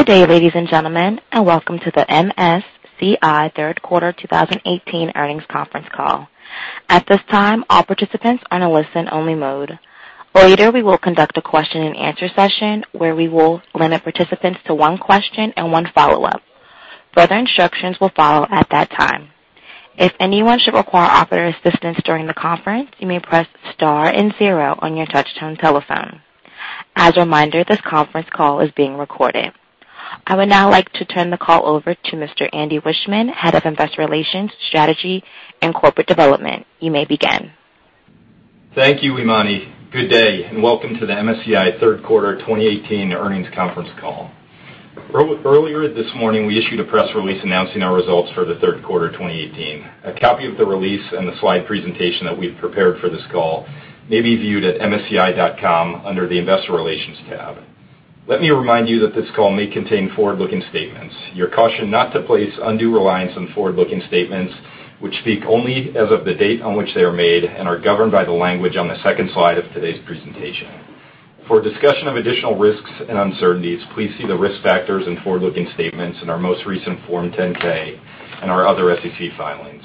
Good day, ladies and gentlemen, and welcome to the MSCI Third Quarter 2018 Earnings Conference call. At this time, all participants are in a listen-only mode. Later, we will conduct a question and answer session where we will limit participants to one question and one follow-up. Further instructions will follow at that time. If anyone should require operator assistance during the conference, you may press star and zero on your touch-tone telephone. As a reminder, this conference call is being recorded. I would now like to turn the call over to Mr. Andy Wiechmann, Head of Investor Relations, Strategy, and Corporate Development. You may begin. Thank you, Armani. Good day, and welcome to the MSCI Third Quarter 2018 Earnings Conference Call. Earlier this morning, we issued a press release announcing our results for the third quarter 2018. A copy of the release and the slide presentation that we've prepared for this call may be viewed at msci.com under the Investor Relations tab. Let me remind you that this call may contain forward-looking statements. You're cautioned not to place undue reliance on forward-looking statements, which speak only as of the date on which they are made and are governed by the language on the second slide of today's presentation. For a discussion of additional risks and uncertainties, please see the risk factors and forward-looking statements in our most recent Form 10-K and our other SEC filings.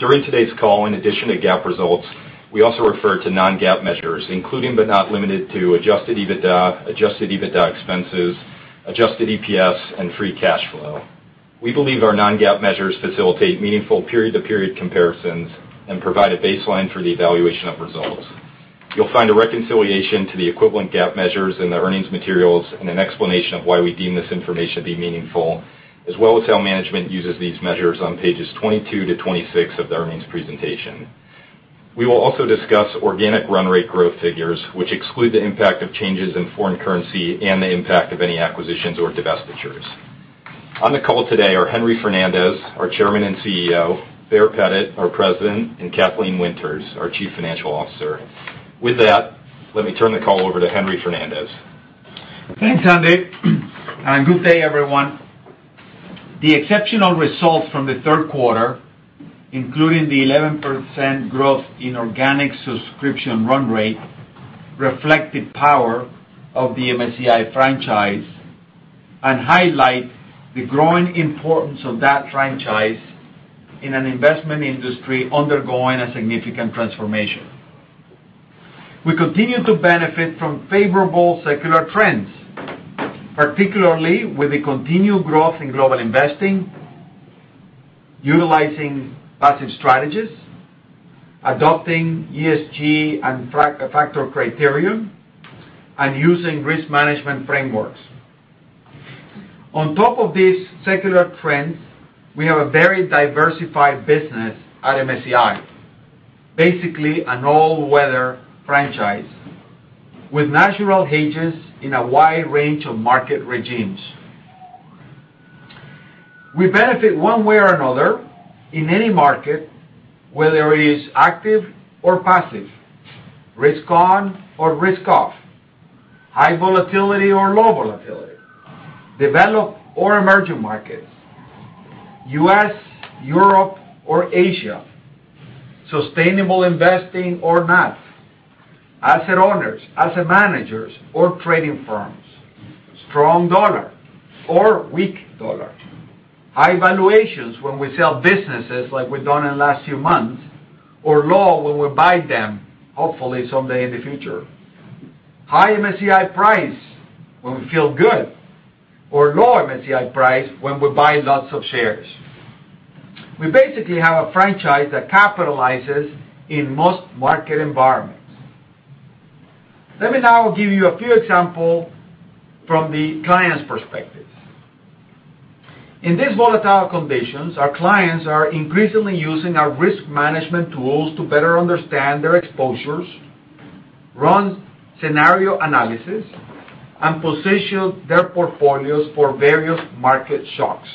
During today's call, in addition to GAAP results, we also refer to non-GAAP measures, including but not limited to adjusted EBITDA, adjusted EBITDA expenses, adjusted EPS, and free cash flow. We believe our non-GAAP measures facilitate meaningful period-to-period comparisons and provide a baseline for the evaluation of results. You'll find a reconciliation to the equivalent GAAP measures in the earnings materials and an explanation of why we deem this information to be meaningful, as well as how management uses these measures on pages 22 to 26 of the earnings presentation. We will also discuss organic run rate growth figures, which exclude the impact of changes in foreign currency and the impact of any acquisitions or divestitures. On the call today are Henry Fernandez, our Chairman and CEO, Baer Pettit, our President, and Kathleen Winters, our Chief Financial Officer. With that, let me turn the call over to Henry Fernandez. Thanks, Andy, and good day, everyone. The exceptional results from the third quarter, including the 11% growth in organic subscription run rate, reflect the power of the MSCI franchise and highlight the growing importance of that franchise in an investment industry undergoing a significant transformation. We continue to benefit from favorable secular trends, particularly with the continued growth in global investing, utilizing passive strategies, adopting ESG and factor criterion, and using risk management frameworks. On top of these secular trends, we have a very diversified business at MSCI, basically an all-weather franchise with natural hedges in a wide range of market regimes. We benefit one way or another in any market, whether it is active or passive, risk on or risk off, high volatility or low volatility, developed or emerging markets, U.S., Europe, or Asia, sustainable investing or not, asset owners, asset managers or trading firms, strong dollar or weak dollar, high valuations when we sell businesses like we've done in the last few months, or low when we buy them, hopefully someday in the future. High MSCI price when we feel good or low MSCI price when we buy lots of shares. We basically have a franchise that capitalizes in most market environments. Let me now give you a few example from the client's perspective. In these volatile conditions, our clients are increasingly using our risk management tools to better understand their exposures, run scenario analysis, and position their portfolios for various market shocks.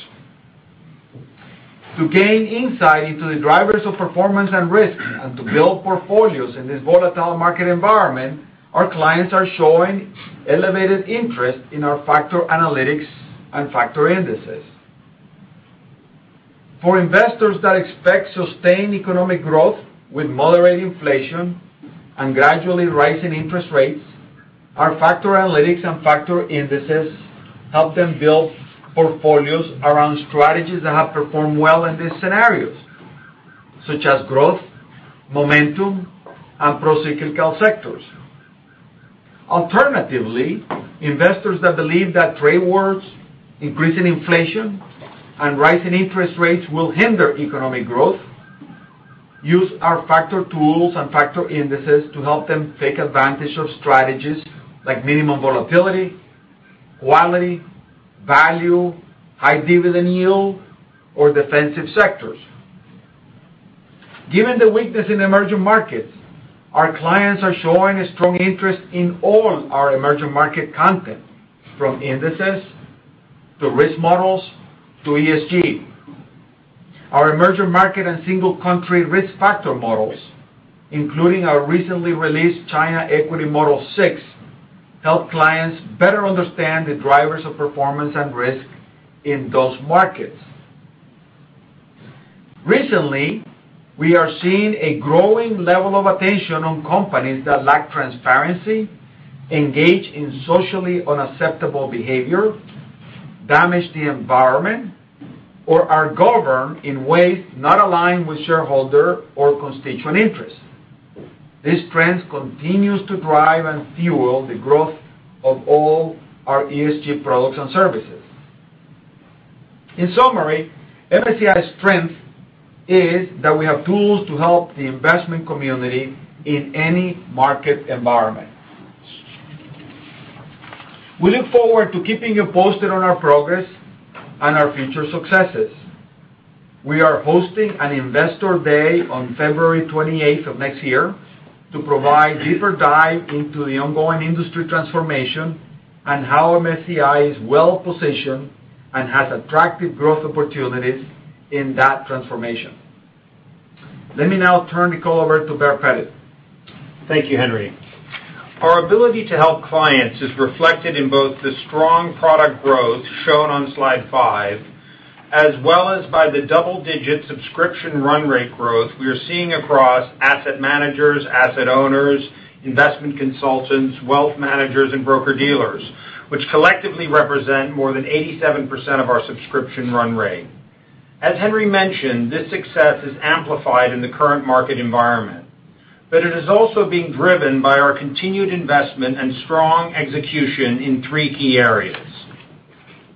To gain insight into the drivers of performance and risk and to build portfolios in this volatile market environment, our clients are showing elevated interest in our factor analytics and factor indices. For investors that expect sustained economic growth with moderate inflation and gradually rising interest rates, our factor analytics and factor indices help them build portfolios around strategies that have performed well in these scenarios, such as growth, momentum, and procyclical sectors. Alternatively, investors that believe that trade wars, increasing inflation, and rising interest rates will hinder economic growth use our factor tools and factor indices to help them take advantage of strategies like minimum volatility, quality, value, high dividend yield, or defensive sectors. Given the weakness in emerging markets, our clients are showing a strong interest in all our emerging market content, from indices to risk models to ESG. Our emerging market and single country risk factor models, including our recently released China Equity Model 6, help clients better understand the drivers of performance and risk in those markets. Recently, we are seeing a growing level of attention on companies that lack transparency, engage in socially unacceptable behavior, damage the environment, or are governed in ways not aligned with shareholder or constituent interests. This trend continues to drive and fuel the growth of all our ESG products and services. In summary, MSCI's strength is that we have tools to help the investment community in any market environment. We look forward to keeping you posted on our progress and our future successes. We are hosting an Investor Day on February 28th of next year to provide deeper dive into the ongoing industry transformation and how MSCI is well-positioned and has attractive growth opportunities in that transformation. Let me now turn the call over to Baer Pettit. Thank you, Henry. Our ability to help clients is reflected in both the strong product growth shown on slide five, as well as by the double-digit subscription run rate growth we are seeing across asset managers, asset owners, investment consultants, wealth managers, and broker-dealers, which collectively represent more than 87% of our subscription run rate. As Henry mentioned, this success is amplified in the current market environment, but it is also being driven by our continued investment and strong execution in three key areas.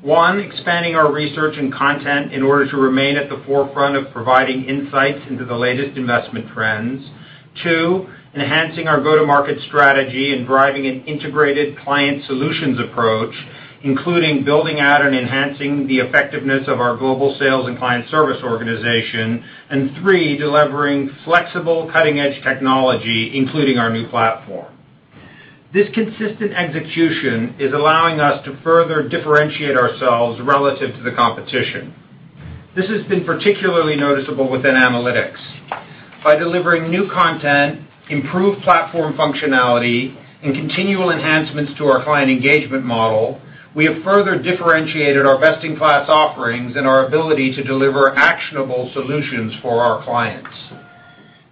One, expanding our research and content in order to remain at the forefront of providing insights into the latest investment trends. Two, enhancing our go-to-market strategy and driving an integrated client solutions approach, including building out and enhancing the effectiveness of our global sales and client service organization. Three, delivering flexible cutting-edge technology, including our new platform. This consistent execution is allowing us to further differentiate ourselves relative to the competition. This has been particularly noticeable within analytics. By delivering new content, improved platform functionality, and continual enhancements to our client engagement model, we have further differentiated our best-in-class offerings and our ability to deliver actionable solutions for our clients.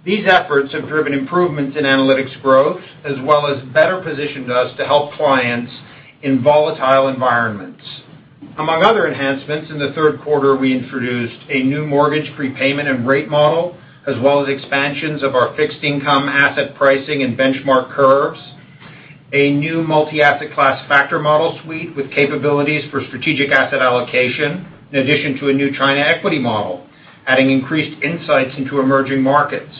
These efforts have driven improvements in analytics growth, as well as better positioned us to help clients in volatile environments. Among other enhancements, in the third quarter, we introduced a new mortgage prepayment and rate model, as well as expansions of our fixed income asset pricing and benchmark curves, a new Multi-Asset Class Factor Model suite with capabilities for strategic asset allocation. In addition to a new China Equity Model, adding increased insights into emerging markets.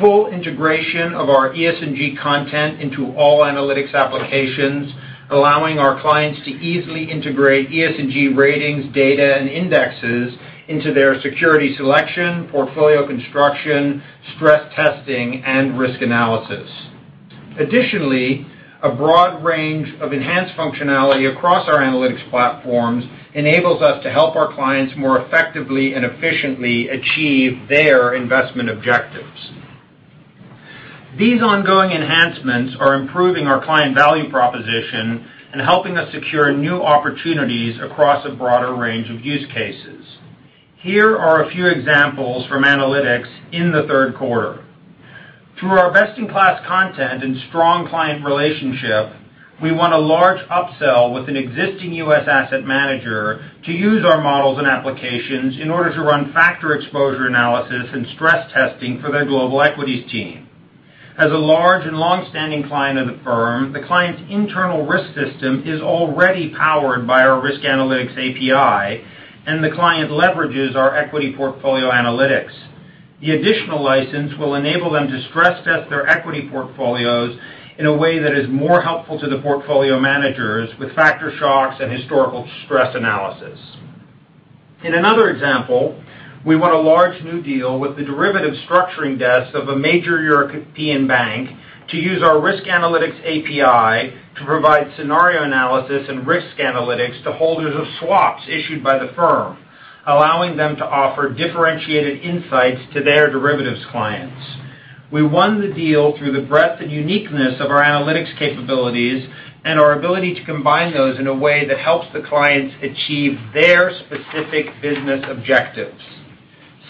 Full integration of our ESG content into all analytics applications, allowing our clients to easily integrate ESG ratings, data, and indexes into their security selection, portfolio construction, stress testing, and risk analysis. Additionally, a broad range of enhanced functionality across our analytics platforms enables us to help our clients more effectively and efficiently achieve their investment objectives. These ongoing enhancements are improving our client value proposition and helping us secure new opportunities across a broader range of use cases. Here are a few examples from analytics in the third quarter. Through our best-in-class content and strong client relationship, we won a large upsell with an existing U.S. asset manager to use our models and applications in order to run factor exposure analysis and stress testing for their global equities team. As a large and longstanding client of the firm, the client's internal risk system is already powered by our Risk Analytics API, and the client leverages our Equity Portfolio Analytics. The additional license will enable them to stress-test their equity portfolios in a way that is more helpful to the portfolio managers with factor shocks and historical stress analysis. In another example, we won a large new deal with the derivative structuring desk of a major European bank to use our Risk Analytics API to provide scenario analysis and risk analytics to holders of swaps issued by the firm, allowing them to offer differentiated insights to their derivatives clients. We won the deal through the breadth and uniqueness of our analytics capabilities and our ability to combine those in a way that helps the clients achieve their specific business objectives.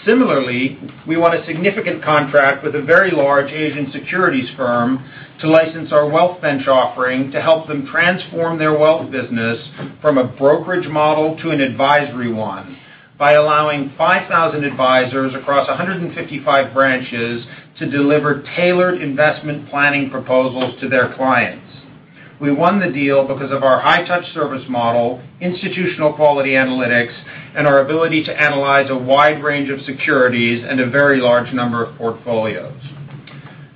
Similarly, we won a significant contract with a very large Asian securities firm to license our WealthBench offering to help them transform their wealth business from a brokerage model to an advisory one by allowing 5,000 advisors across 155 branches to deliver tailored investment planning proposals to their clients. We won the deal because of our high-touch service model, institutional quality analytics, and our ability to analyze a wide range of securities and a very large number of portfolios.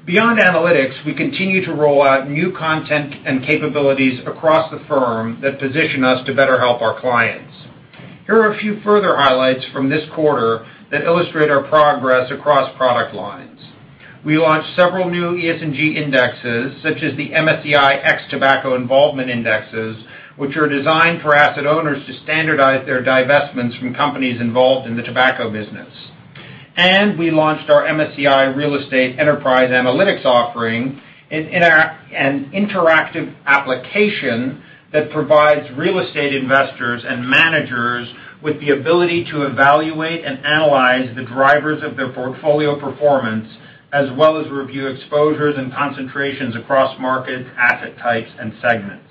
Beyond analytics, we continue to roll out new content and capabilities across the firm that position us to better help our clients. Here are a few further highlights from this quarter that illustrate our progress across product lines. We launched several new ESG indexes, such as the MSCI ex Tobacco Involvement Indexes, which are designed for asset owners to standardize their divestments from companies involved in the tobacco business. We launched our MSCI Real Estate Enterprise Analytics offering, an interactive application that provides real estate investors and managers with the ability to evaluate and analyze the drivers of their portfolio performance, as well as review exposures and concentrations across markets, asset types, and segments.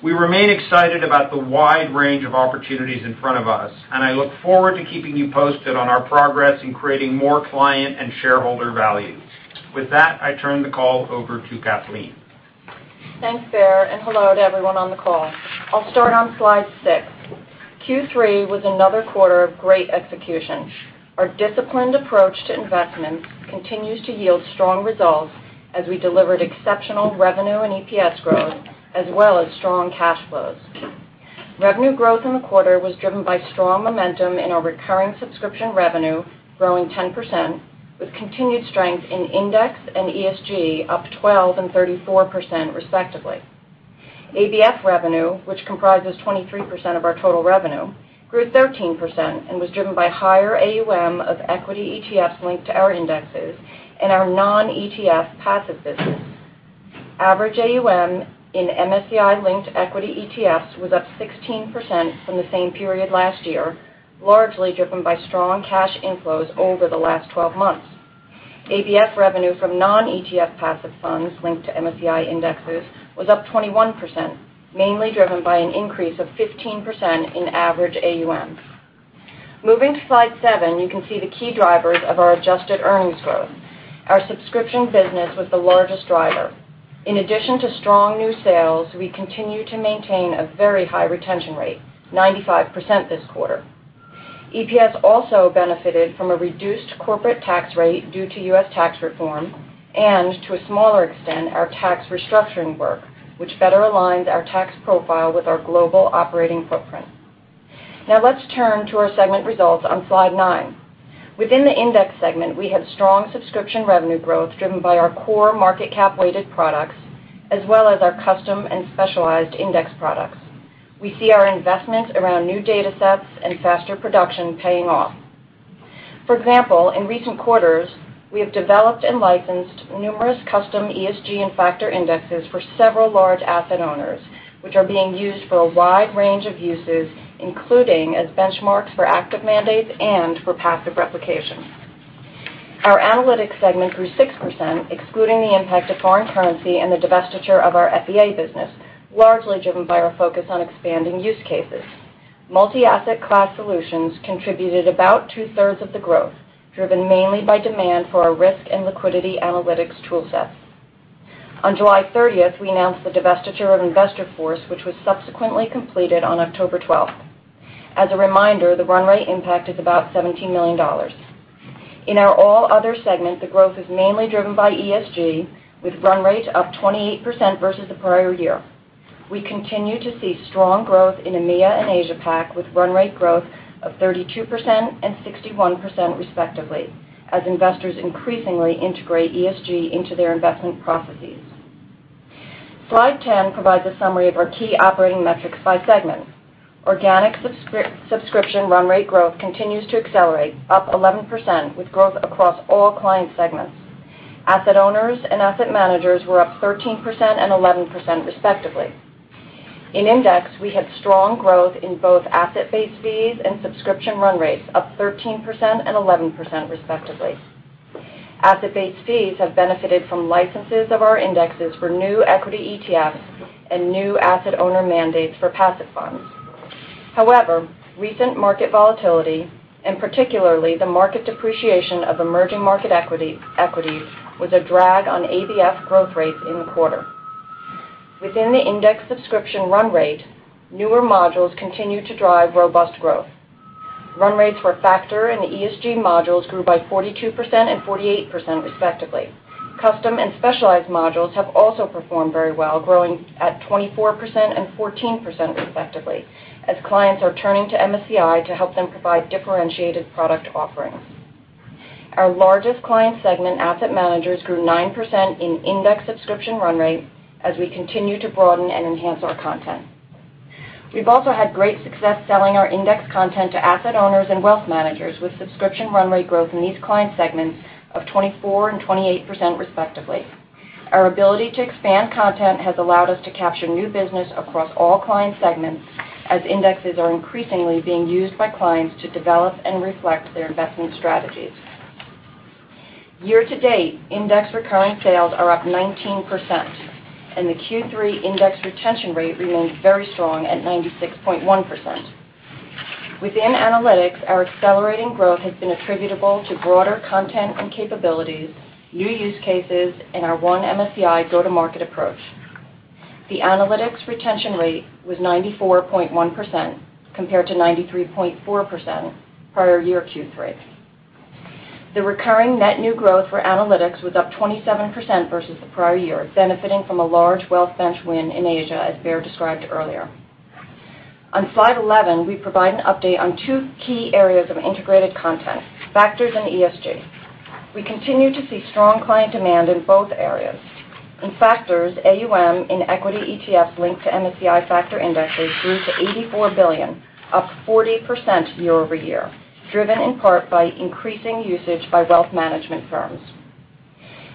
We remain excited about the wide range of opportunities in front of us. I look forward to keeping you posted on our progress in creating more client and shareholder value. With that, I turn the call over to Kathleen. Thanks, Baer, and hello to everyone on the call. I'll start on slide six. Q3 was another quarter of great execution. Our disciplined approach to investment continues to yield strong results as we delivered exceptional revenue and EPS growth, as well as strong cash flows. Revenue growth in the quarter was driven by strong momentum in our recurring subscription revenue, growing 10%, with continued strength in index and ESG, up 12% and 34% respectively. ABF revenue, which comprises 23% of our total revenue, grew 13% and was driven by higher AUM of equity ETFs linked to our indexes and our non-ETF passive business. Average AUM in MSCI-linked equity ETFs was up 16% from the same period last year, largely driven by strong cash inflows over the last 12 months. ABF revenue from non-ETF passive funds linked to MSCI indexes was up 21%, mainly driven by an increase of 15% in average AUM. Moving to slide seven, you can see the key drivers of our adjusted earnings growth. Our subscription business was the largest driver. In addition to strong new sales, we continue to maintain a very high retention rate, 95% this quarter. EPS also benefited from a reduced corporate tax rate due to U.S. tax reform and, to a smaller extent, our tax restructuring work, which better aligns our tax profile with our global operating footprint. Now let's turn to our segment results on slide nine. Within the index segment, we have strong subscription revenue growth driven by our core market cap-weighted products, as well as our custom and specialized index products. We see our investment around new data sets and faster production paying off. For example, in recent quarters, we have developed and licensed numerous custom ESG and factor indexes for several large asset owners, which are being used for a wide range of uses, including as benchmarks for active mandates and for passive replication. Our analytics segment grew 6%, excluding the impact of foreign currency and the divestiture of our FEA business, largely driven by our focus on expanding use cases. Multi-asset class solutions contributed about two-thirds of the growth, driven mainly by demand for our risk and liquidity analytics tool sets. On July 30th, we announced the divestiture of InvestorForce, which was subsequently completed on October 12th. As a reminder, the run rate impact is about $17 million. In our all other segments, the growth is mainly driven by ESG, with run rate up 28% versus the prior year. We continue to see strong growth in EMEA and Asia Pac, with run rate growth of 32% and 61% respectively, as investors increasingly integrate ESG into their investment processes. Slide 10 provides a summary of our key operating metrics by segment. Organic subscription run rate growth continues to accelerate, up 11%, with growth across all client segments. Asset owners and asset managers were up 13% and 11% respectively. In index, we had strong growth in both asset-based fees and subscription run rates, up 13% and 11% respectively. Asset-based fees have benefited from licenses of our indexes for new equity ETFs and new asset owner mandates for passive funds. However, recent market volatility, and particularly the market depreciation of emerging market equities, was a drag on ABF growth rates in the quarter. Within the index subscription run rate, newer modules continue to drive robust growth. Run rates for factor and ESG modules grew by 42% and 48% respectively. Custom and specialized modules have also performed very well, growing at 24% and 14% respectively, as clients are turning to MSCI to help them provide differentiated product offerings. Our largest client segment, asset managers, grew 9% in index subscription run rate as we continue to broaden and enhance our content. We've also had great success selling our index content to asset owners and wealth managers, with subscription run rate growth in these client segments of 24% and 28% respectively. Our ability to expand content has allowed us to capture new business across all client segments, as indexes are increasingly being used by clients to develop and reflect their investment strategies. Year to date, index recurring sales are up 19%, and the Q3 index retention rate remains very strong at 96.1%. Within analytics, our accelerating growth has been attributable to broader content and capabilities, new use cases, and our One MSCI go-to-market approach. The analytics retention rate was 94.1% compared to 93.4% prior year Q3. The recurring net new growth for analytics was up 27% versus the prior year, benefiting from a large WealthBench win in Asia, as Baer described earlier. On Slide 11, we provide an update on two key areas of integrated content, factors and ESG. We continue to see strong client demand in both areas. In factors, AUM in equity ETF linked to MSCI factor indexes grew to $84 billion, up 40% year-over-year, driven in part by increasing usage by wealth management firms.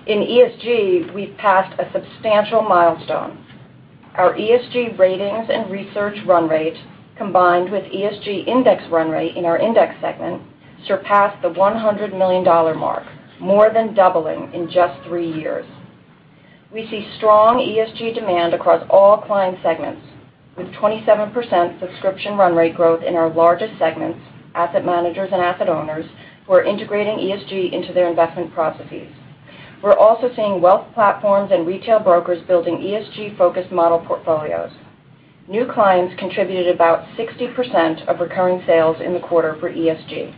In ESG, we've passed a substantial milestone. Our ESG ratings and research run rate, combined with ESG index run rate in our index segment, surpassed the $100 million mark, more than doubling in just three years. We see strong ESG demand across all client segments, with 27% subscription run rate growth in our largest segments, asset managers and asset owners, who are integrating ESG into their investment processes. We are also seeing wealth platforms and retail brokers building ESG-focused model portfolios. New clients contributed about 60% of recurring sales in the quarter for ESG.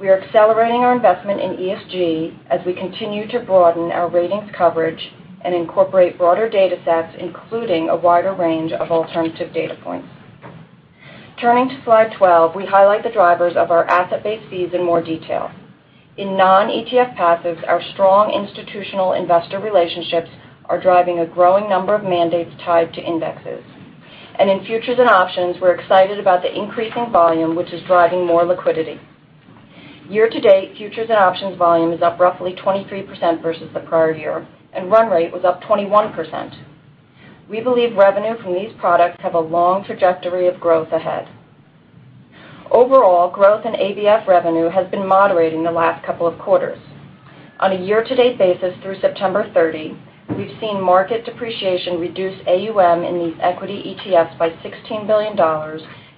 We are accelerating our investment in ESG as we continue to broaden our ratings coverage and incorporate broader data sets, including a wider range of alternative data points. Turning to slide 12, we highlight the drivers of our asset-based fees in more detail. In non-ETF passives, our strong institutional investor relationships are driving a growing number of mandates tied to indexes. In futures and options, we are excited about the increasing volume, which is driving more liquidity. Year-to-date, futures and options volume is up roughly 23% versus the prior year, and run rate was up 21%. We believe revenue from these products have a long trajectory of growth ahead. Overall, growth in ABF revenue has been moderating the last couple of quarters. On a year-to-date basis through September 30, we have seen market depreciation reduce AUM in these equity ETFs by $16 billion,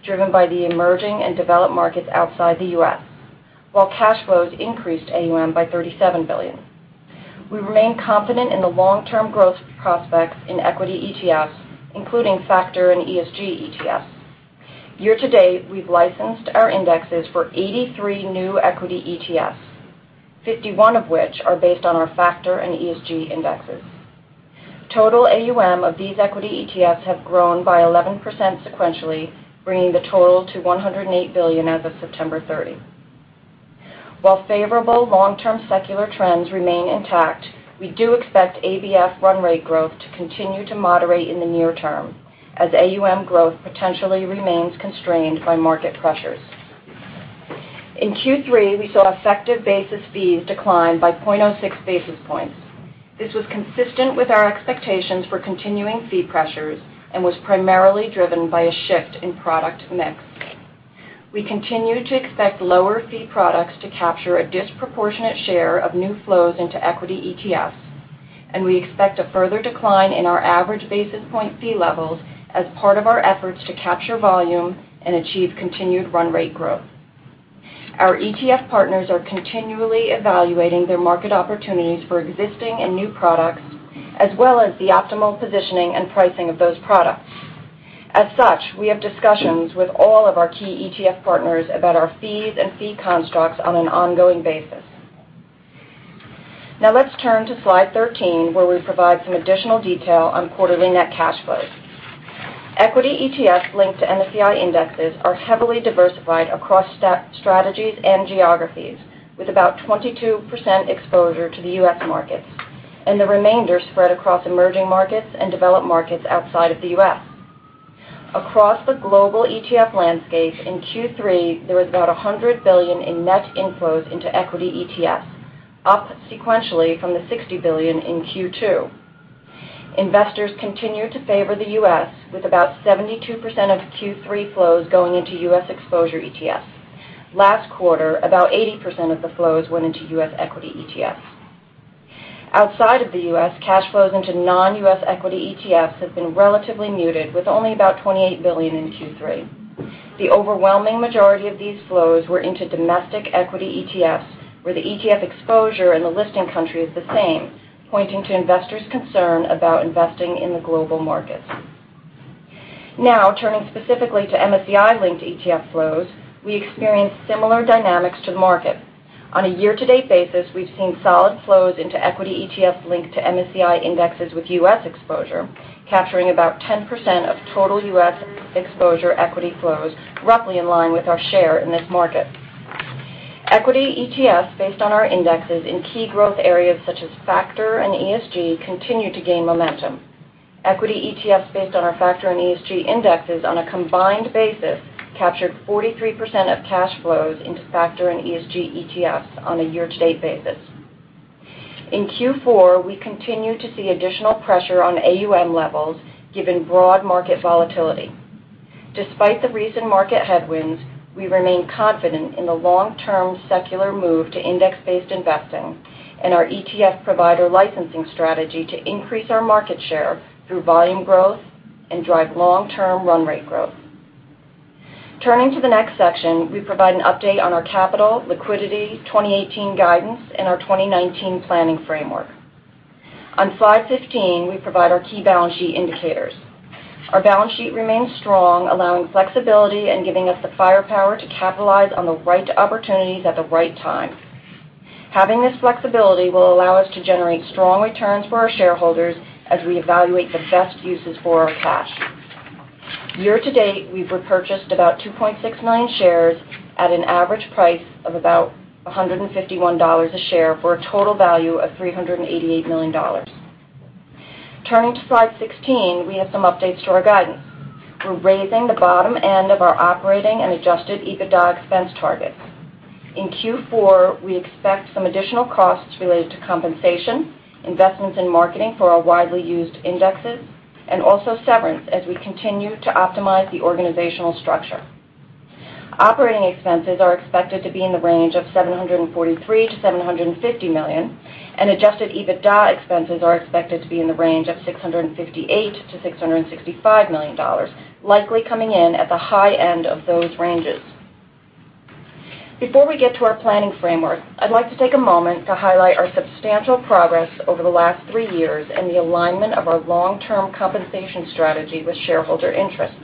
driven by the emerging and developed markets outside the U.S., while cash flows increased AUM by $37 billion. We remain confident in the long-term growth prospects in equity ETFs, including factor and ESG ETFs. Year to date, we have licensed our indexes for 83 new equity ETFs, 51 of which are based on our factor and ESG indexes. Total AUM of these equity ETFs have grown by 11% sequentially, bringing the total to $108 billion as of September 30. While favorable long-term secular trends remain intact, we do expect ABF run rate growth to continue to moderate in the near term as AUM growth potentially remains constrained by market pressures. In Q3, we saw effective basis fees decline by 0.06 basis points. This was consistent with our expectations for continuing fee pressures and was primarily driven by a shift in product mix. We continue to expect lower fee products to capture a disproportionate share of new flows into equity ETFs, and we expect a further decline in our average basis point fee levels as part of our efforts to capture volume and achieve continued run rate growth. Our ETF partners are continually evaluating their market opportunities for existing and new products, as well as the optimal positioning and pricing of those products. As such, we have discussions with all of our key ETF partners about our fees and fee constructs on an ongoing basis. Let's turn to slide 13, where we provide some additional detail on quarterly net cash flows. Equity ETFs linked to MSCI indexes are heavily diversified across strategies and geographies, with about 22% exposure to the U.S. markets and the remainder spread across emerging markets and developed markets outside of the U.S. Across the global ETF landscape in Q3, there was about $100 billion in net inflows into equity ETFs, up sequentially from the $60 billion in Q2. Investors continue to favor the U.S., with about 72% of Q3 flows going into U.S. exposure ETFs. Last quarter, about 80% of the flows went into U.S. equity ETFs. Outside of the U.S., cash flows into non-U.S. equity ETFs have been relatively muted, with only about $28 billion in Q3. The overwhelming majority of these flows were into domestic equity ETFs, where the ETF exposure in the listing country is the same, pointing to investors' concern about investing in the global markets. Turning specifically to MSCI-linked ETF flows, we experienced similar dynamics to the market. On a year-to-date basis, we've seen solid flows into equity ETFs linked to MSCI indexes with U.S. exposure, capturing about 10% of total U.S. exposure equity flows, roughly in line with our share in this market. Equity ETFs based on our indexes in key growth areas such as factor and ESG continue to gain momentum. Equity ETFs based on our factor and ESG indexes on a combined basis captured 43% of cash flows into factor and ESG ETFs on a year-to-date basis. In Q4, we continue to see additional pressure on AUM levels given broad market volatility. Despite the recent market headwinds, we remain confident in the long-term secular move to index-based investing and our ETF provider licensing strategy to increase our market share through volume growth and drive long-term run rate growth. Turning to the next section, we provide an update on our capital, liquidity, 2018 guidance, and our 2019 planning framework. On slide 15, we provide our key balance sheet indicators. Our balance sheet remains strong, allowing flexibility and giving us the firepower to capitalize on the right opportunities at the right time. Having this flexibility will allow us to generate strong returns for our shareholders as we evaluate the best uses for our cash. Year-to-date, we've repurchased about 2.69 shares at an average price of about $151 a share for a total value of $388 million. Turning to slide 16, we have some updates to our guidance. We're raising the bottom end of our operating and adjusted EBITDA expense targets. In Q4, we expect some additional costs related to compensation, investments in marketing for our widely used indexes, and also severance as we continue to optimize the organizational structure. Operating expenses are expected to be in the range of $743 million-$750 million, and adjusted EBITDA expenses are expected to be in the range of $658 million-$665 million, likely coming in at the high end of those ranges. Before we get to our planning framework, I'd like to take a moment to highlight our substantial progress over the last three years in the alignment of our long-term compensation strategy with shareholder interests.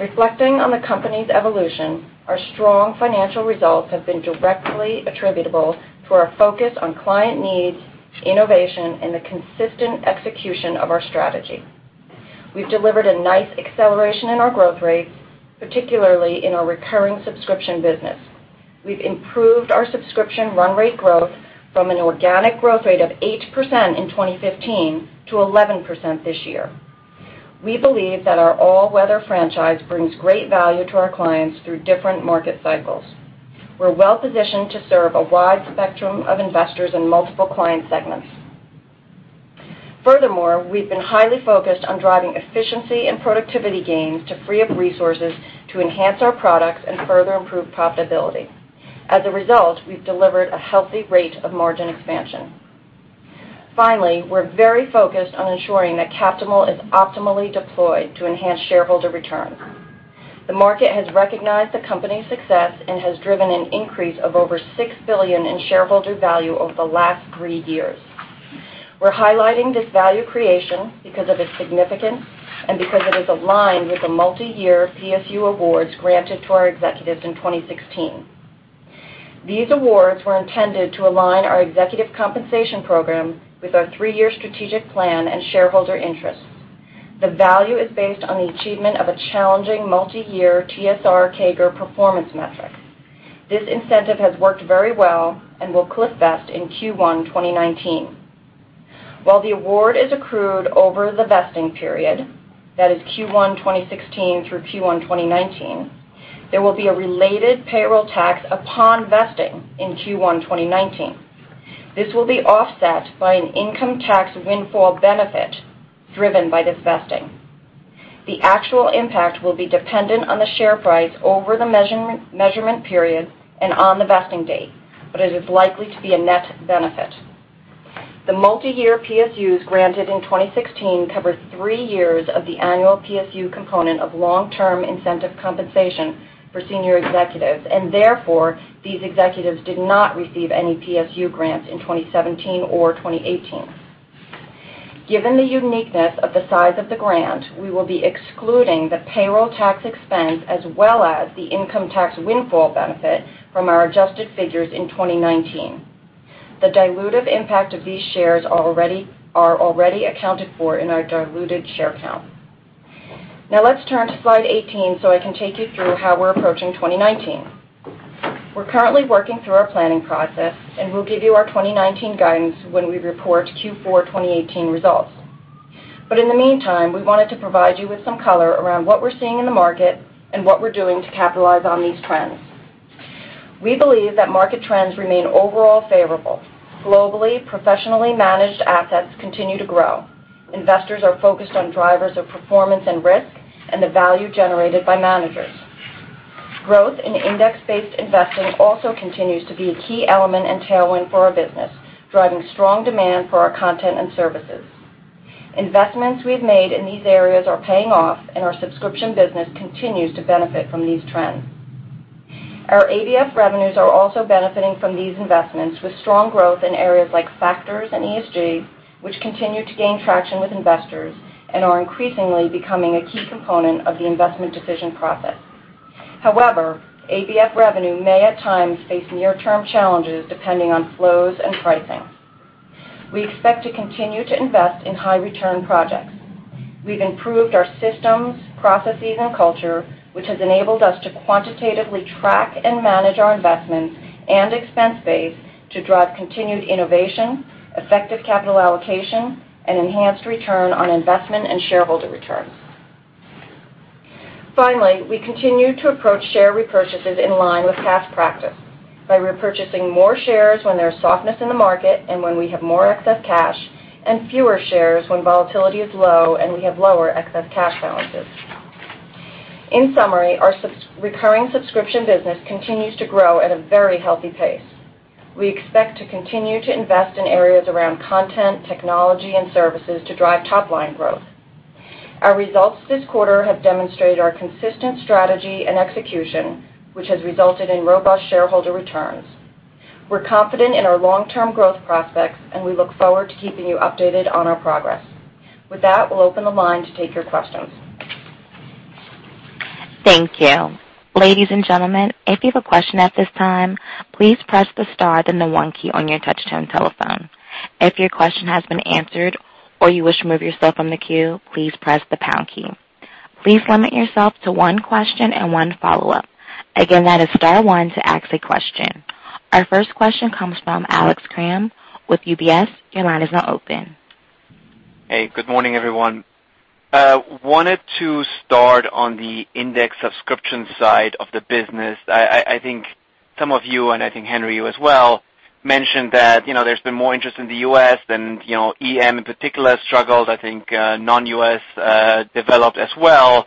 Reflecting on the company's evolution, our strong financial results have been directly attributable to our focus on client needs, innovation, and the consistent execution of our strategy. We've delivered a nice acceleration in our growth rates, particularly in our recurring subscription business. We've improved our subscription run rate growth from an organic growth rate of 8% in 2015 to 11% this year. We believe that our all-weather franchise brings great value to our clients through different market cycles. We're well-positioned to serve a wide spectrum of investors in multiple client segments. Furthermore, we've been highly focused on driving efficiency and productivity gains to free up resources to enhance our products and further improve profitability. As a result, we've delivered a healthy rate of margin expansion. Finally, we're very focused on ensuring that capital is optimally deployed to enhance shareholder returns. The market has recognized the company's success and has driven an increase of over $6 billion in shareholder value over the last 3 years. We're highlighting this value creation because of its significance and because it is aligned with the multi-year PSU awards granted to our executives in 2016. These awards were intended to align our executive compensation program with our 3-year strategic plan and shareholder interests. The value is based on the achievement of a challenging multi-year TSR CAGR performance metric. This incentive has worked very well and will cliff vest in Q1 2019. While the award is accrued over the vesting period, that is Q1 2016 through Q1 2019, there will be a related payroll tax upon vesting in Q1 2019. This will be offset by an income tax windfall benefit driven by this vesting. The actual impact will be dependent on the share price over the measurement period and on the vesting date, but it is likely to be a net benefit. The multi-year PSUs granted in 2016 cover 3 years of the annual PSU component of long-term incentive compensation for senior executives. Therefore, these executives did not receive any PSU grants in 2017 or 2018. Given the uniqueness of the size of the grant, we will be excluding the payroll tax expense as well as the income tax windfall benefit from our adjusted figures in 2019. The dilutive impact of these shares are already accounted for in our diluted share count. Now let's turn to slide 18 so I can take you through how we're approaching 2019. We're currently working through our planning process. We'll give you our 2019 guidance when we report Q4 2018 results. In the meantime, we wanted to provide you with some color around what we're seeing in the market and what we're doing to capitalize on these trends. We believe that market trends remain overall favorable. Globally, professionally managed assets continue to grow. Investors are focused on drivers of performance and risk and the value generated by managers. Growth in index-based investing also continues to be a key element and tailwind for our business, driving strong demand for our content and services. Investments we've made in these areas are paying off. Our subscription business continues to benefit from these trends. Our ABF revenues are also benefiting from these investments, with strong growth in areas like factors and ESG, which continue to gain traction with investors and are increasingly becoming a key component of the investment decision process. ABF revenue may at times face near-term challenges depending on flows and pricing. We expect to continue to invest in high-return projects. We've improved our systems, processes, and culture, which has enabled us to quantitatively track and manage our investments and expense base to drive continued innovation, effective capital allocation, and enhanced return on investment and shareholder returns. Finally, we continue to approach share repurchases in line with past practice by repurchasing more shares when there's softness in the market and when we have more excess cash, and fewer shares when volatility is low and we have lower excess cash balances. In summary, our recurring subscription business continues to grow at a very healthy pace. We expect to continue to invest in areas around content, technology, and services to drive top-line growth. Our results this quarter have demonstrated our consistent strategy and execution, which has resulted in robust shareholder returns. We're confident in our long-term growth prospects, and we look forward to keeping you updated on our progress. With that, we'll open the line to take your questions. Thank you. Ladies and gentlemen, if you have a question at this time, please press the star then the one key on your touchtone telephone. If your question has been answered or you wish to remove yourself from the queue, please press the pound key. Please limit yourself to one question and one follow-up. Again, that is star one to ask a question. Our first question comes from Alex Kramm with UBS. Your line is now open. Hey, good morning, everyone. I wanted to start on the index subscription side of the business. I think some of you, and I think Henry, you as well, mentioned that there's been more interest in the U.S. than EM in particular, struggled. I think non-U.S. developed as well.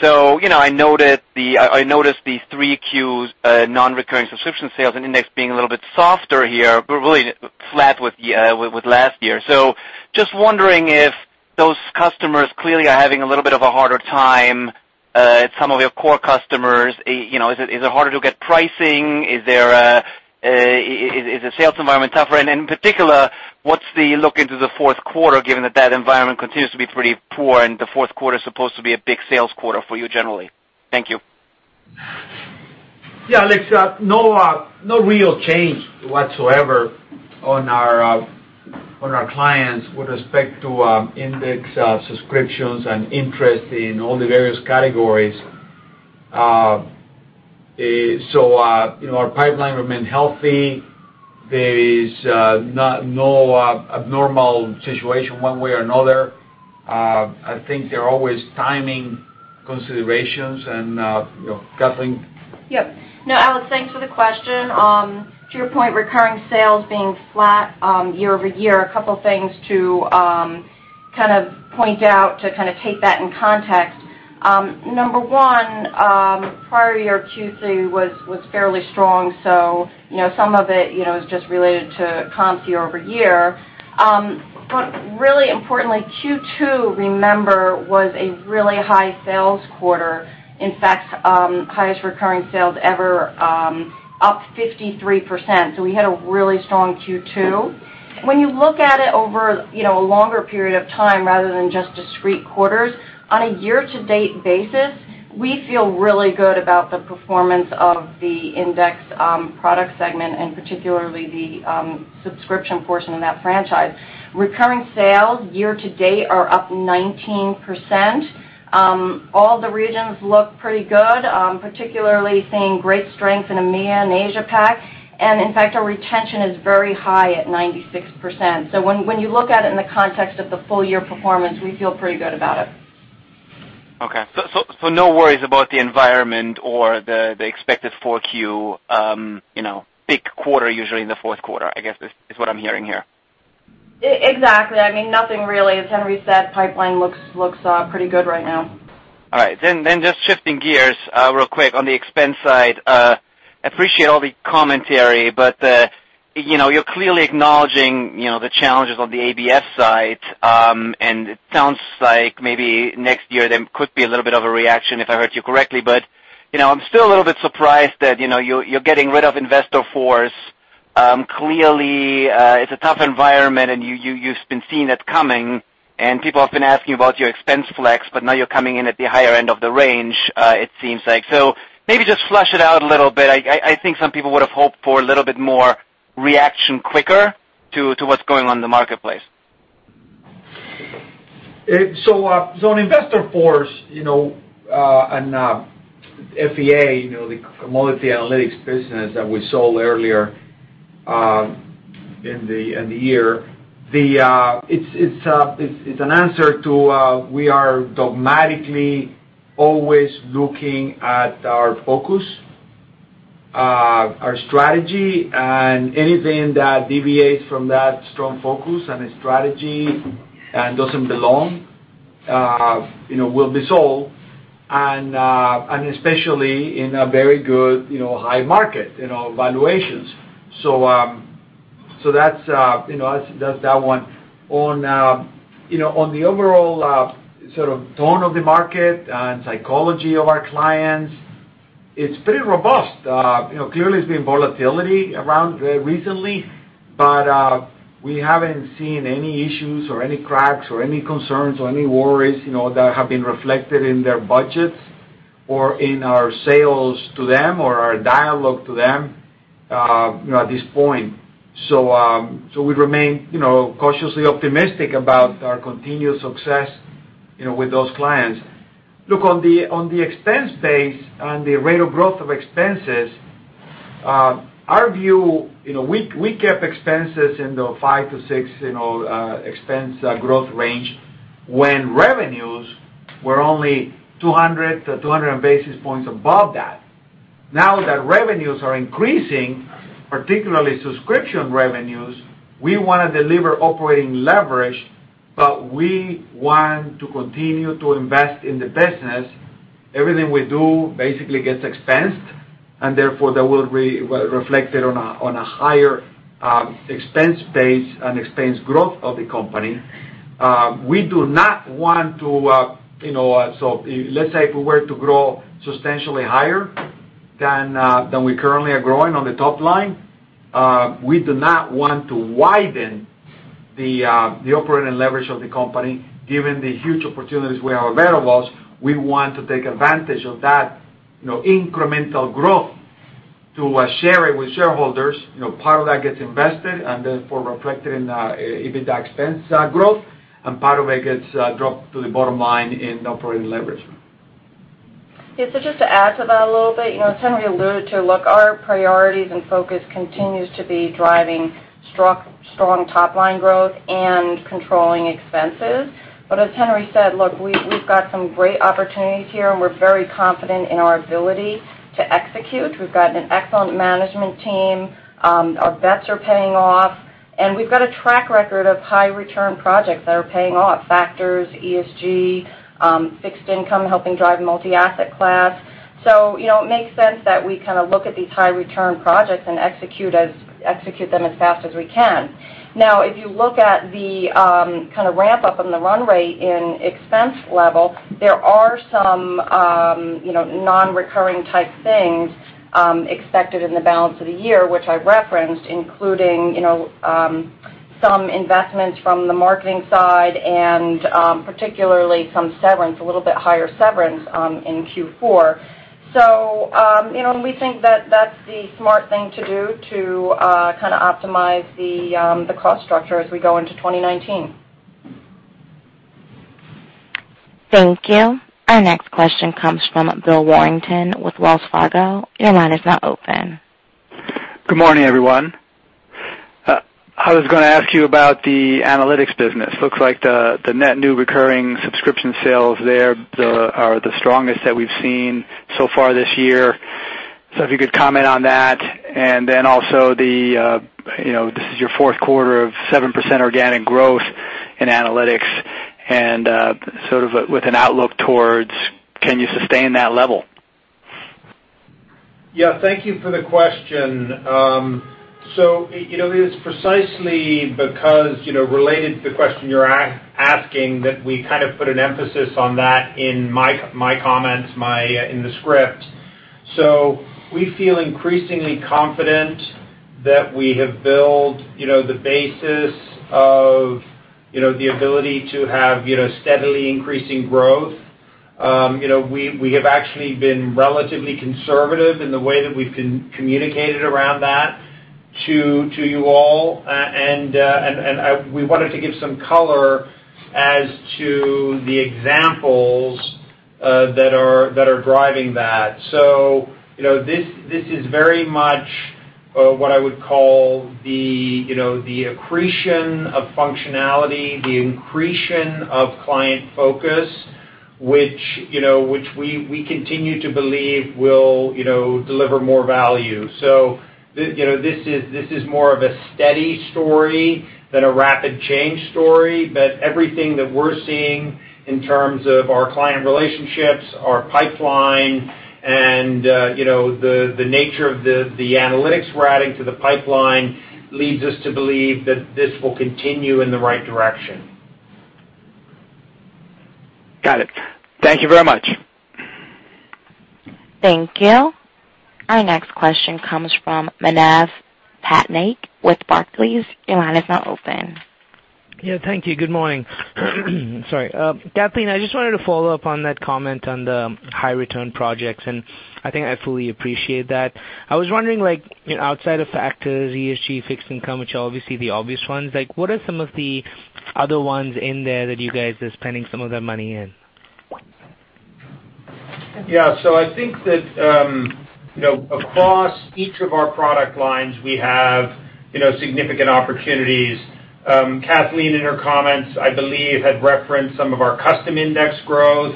I noticed the three Qs non-recurring subscription sales and index being a little bit softer here, but really flat with last year. Just wondering if those customers clearly are having a little bit of a harder time, some of your core customers. Is it harder to get pricing? Is the sales environment tougher? In particular, what's the look into the fourth quarter, given that that environment continues to be pretty poor and the fourth quarter is supposed to be a big sales quarter for you generally? Thank you. Yeah, Alex. No real change whatsoever on our clients with respect to index subscriptions and interest in all the various categories. Our pipeline remained healthy. There is no abnormal situation one way or another. I think there are always timing considerations and Kathleen? No, Alex, thanks for the question. To your point, recurring sales being flat year-over-year, a couple things to kind of point out to kind of take that in context. Number one, prior year Q3 was fairly strong. Some of it is just related to comps year-over-year. Really importantly, Q2, remember, was a really high sales quarter. In fact, highest recurring sales ever, up 53%. We had a really strong Q2. When you look at it over a longer period of time rather than just discrete quarters, on a year-to-date basis, we feel really good about the performance of the Index product segment and particularly the subscription portion of that franchise. Recurring sales year-to-date are up 19%. All the regions look pretty good, particularly seeing great strength in EMEA and Asia PAC. In fact, our retention is very high at 96%. When you look at it in the context of the full-year performance, we feel pretty good about it. Okay. No worries about the environment or the expected 4Q big quarter, usually in the fourth quarter, I guess is what I'm hearing here. Exactly. I mean, nothing really. As Henry said, pipeline looks pretty good right now. Just shifting gears real quick on the expense side. Appreciate all the commentary. You're clearly acknowledging the challenges on the ABF side, and it sounds like maybe next year there could be a little bit of a reaction if I heard you correctly. I'm still a little bit surprised that you're getting rid of InvestorForce. Clearly, it's a tough environment, and you've been seeing it coming, and people have been asking about your expense flex, but now you're coming in at the higher end of the range, it seems like. Maybe just flesh it out a little bit. I think some people would have hoped for a little bit more reaction quicker to what's going on in the marketplace. On InvestorForce, and FEA, the commodity analytics business that we sold earlier in the year, it's an answer to we are dogmatically always looking at our focus, our strategy, and anything that deviates from that strong focus and strategy and doesn't belong will be sold, and especially in a very good high market valuations. That's that one. On the overall sort of tone of the market and psychology of our clients, it's pretty robust. Clearly, there's been volatility around recently, but we haven't seen any issues or any cracks or any concerns or any worries that have been reflected in their budgets or in our sales to them or our dialogue to them at this point. We remain cautiously optimistic about our continued success with those clients. Look, on the expense base and the rate of growth of expenses, our view, we kept expenses in the 5-6 expense growth range when revenues were only 200-200 basis points above that. Now that revenues are increasing, particularly subscription revenues, we want to deliver operating leverage, but we want to continue to invest in the business. Everything we do basically gets expensed, and therefore, that will be reflected on a higher expense base and expense growth of the company. Let's say if we were to grow substantially higher than we currently are growing on the top line, we do not want to widen the operating leverage of the company, given the huge opportunities we have available, we want to take advantage of that incremental growth to share it with shareholders. Part of that gets invested and therefore reflected in EBITDA expense growth, and part of it gets dropped to the bottom line in operating leverage. Just to add to that a little bit, Henry alluded to, look, our priorities and focus continues to be driving strong top-line growth and controlling expenses. As Henry said, look, we've got some great opportunities here, and we're very confident in our ability to execute. We've got an excellent management team. Our bets are paying off, and we've got a track record of high-return projects that are paying off. Factors, ESG, fixed income, helping drive Multi-Asset Class. It makes sense that we look at these high-return projects and execute them as fast as we can. Now, if you look at the ramp-up in the run rate in expense level, there are some non-recurring type things expected in the balance of the year, which I referenced, including some investments from the marketing side and particularly some severance, a little bit higher severance, in Q4. We think that that's the smart thing to do to optimize the cost structure as we go into 2019. Thank you. Our next question comes from Bill Warmington with Wells Fargo. Your line is now open. Good morning, everyone. I was going to ask you about the analytics business. Looks like the net new recurring subscription sales there are the strongest that we've seen so far this year. If you could comment on that, and then also, this is your fourth quarter of 7% organic growth in analytics and sort of with an outlook towards can you sustain that level? Yeah, thank you for the question. It is precisely because, related to the question you're asking, that we kind of put an emphasis on that in my comments in the script. We feel increasingly confident that we have built the basis of the ability to have steadily increasing growth. We have actually been relatively conservative in the way that we've communicated around that to you all. We wanted to give some color as to the examples that are driving that. This is very much what I would call the accretion of functionality, the accretion of client focus, which we continue to believe will deliver more value. This is more of a steady story than a rapid change story. Everything that we're seeing in terms of our client relationships, our pipeline, and the nature of the analytics we're adding to the pipeline leads us to believe that this will continue in the right direction. Got it. Thank you very much. Thank you. Our next question comes from Manav Patnaik with Barclays. Your line is now open. Yeah, thank you. Good morning. Sorry. Kathleen, I just wanted to follow up on that comment on the high-return projects, and I think I fully appreciate that. I was wondering, outside of factors, ESG, fixed income, which are obviously the obvious ones, what are some of the other ones in there that you guys are spending some of that money in? Yeah. I think that across each of our product lines, we have significant opportunities. Kathleen, in her comments, I believe, had referenced some of our custom index growth.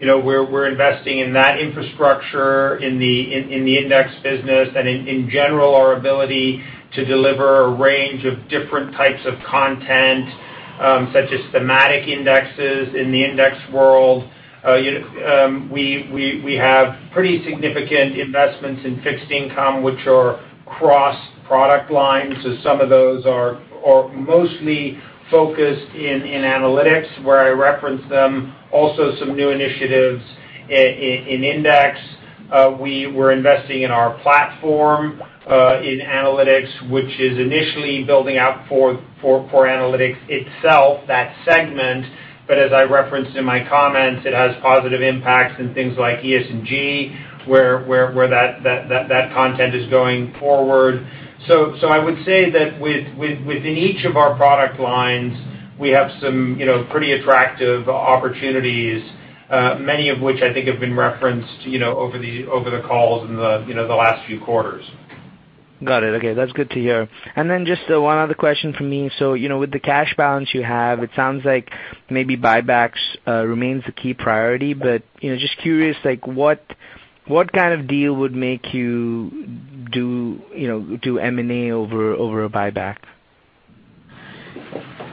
We're investing in that infrastructure in the index business and in general, our ability to deliver a range of different types of content, such as thematic indexes in the index world. We have pretty significant investments in fixed income, which are cross-product lines, some of those are mostly focused in analytics where I referenced them. Also, some new initiatives in index. We were investing in our platform, in analytics, which is initially building out for analytics itself, that segment. As I referenced in my comments, it has positive impacts in things like ESG, where that content is going forward. I would say that within each of our product lines, we have some pretty attractive opportunities, many of which I think have been referenced over the calls in the last few quarters. Got it. Okay. That's good to hear. Just one other question from me. With the cash balance you have, it sounds like maybe buybacks remains the key priority. Just curious, what kind of deal would make you do M&A over a buyback?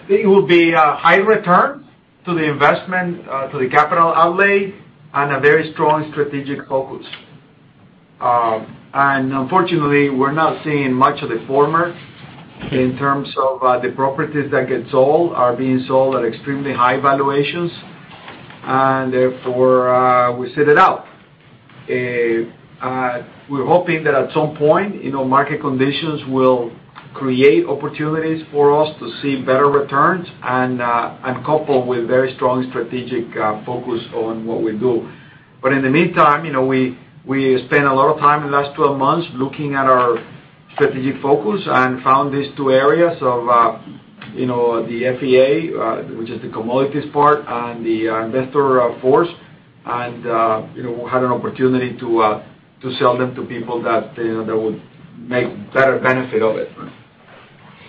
It will be a high return to the investment, to the capital outlay, and a very strong strategic focus. Unfortunately, we're not seeing much of the former in terms of the properties that get sold are being sold at extremely high valuations, and therefore, we sit it out. We're hoping that at some point, market conditions will create opportunities for us to see better returns and couple with very strong strategic focus on what we do. In the meantime, we spent a lot of time in the last 12 months looking at our strategic focus and found these two areas of the FEA, which is the commodities part, and the InvestorForce. We had an opportunity to sell them to people that would make better benefit of it.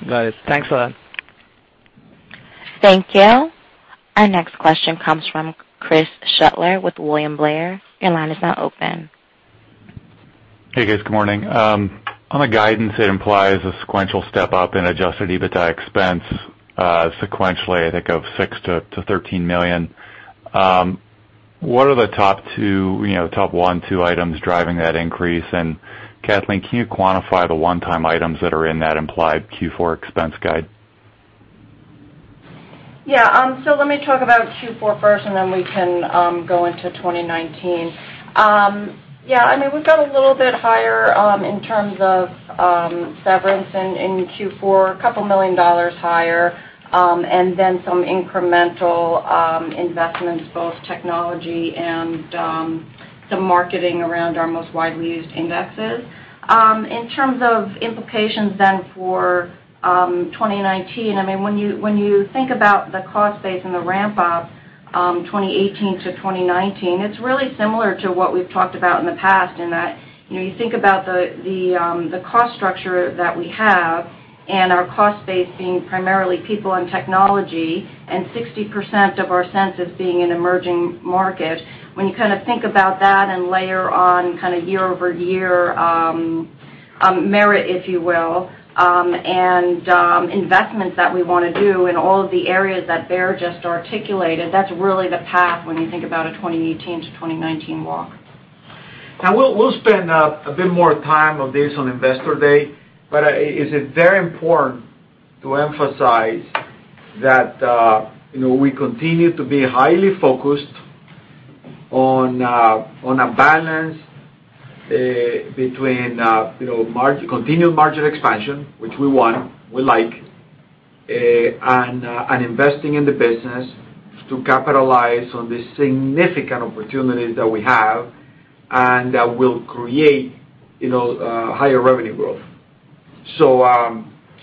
Got it. Thanks a lot. Thank you. Our next question comes from Chris Shutler with William Blair. Your line is now open. Hey, guys. Good morning. On the guidance, it implies a sequential step-up in adjusted EBITDA expense sequentially, I think of $6 million-$13 million. What are the top one, two items driving that increase? And Kathleen, can you quantify the one-time items that are in that implied Q4 expense guide? Let me talk about Q4 first, and then we can go into 2019. We've got a little bit higher in terms of severance in Q4, a couple million dollars higher, and then some incremental investments, both technology and some marketing around our most widely used indexes. In terms of implications then for 2019, when you think about the cost base and the ramp-up 2018 to 2019, it's really similar to what we've talked about in the past in that, you think about the cost structure that we have, and our cost base being primarily people and technology, and 60% of our centers being in emerging markets. When you think about that and layer on year-over-year merit, if you will, and investments that we want to do in all of the areas that Baer just articulated, that's really the path when you think about a 2018 to 2019 walk. We'll spend a bit more time of this on Investor Day. It is very important to emphasize that we continue to be highly focused on a balance between continued margin expansion, which we want, we like, and investing in the business to capitalize on the significant opportunities that we have, and that will create higher revenue growth.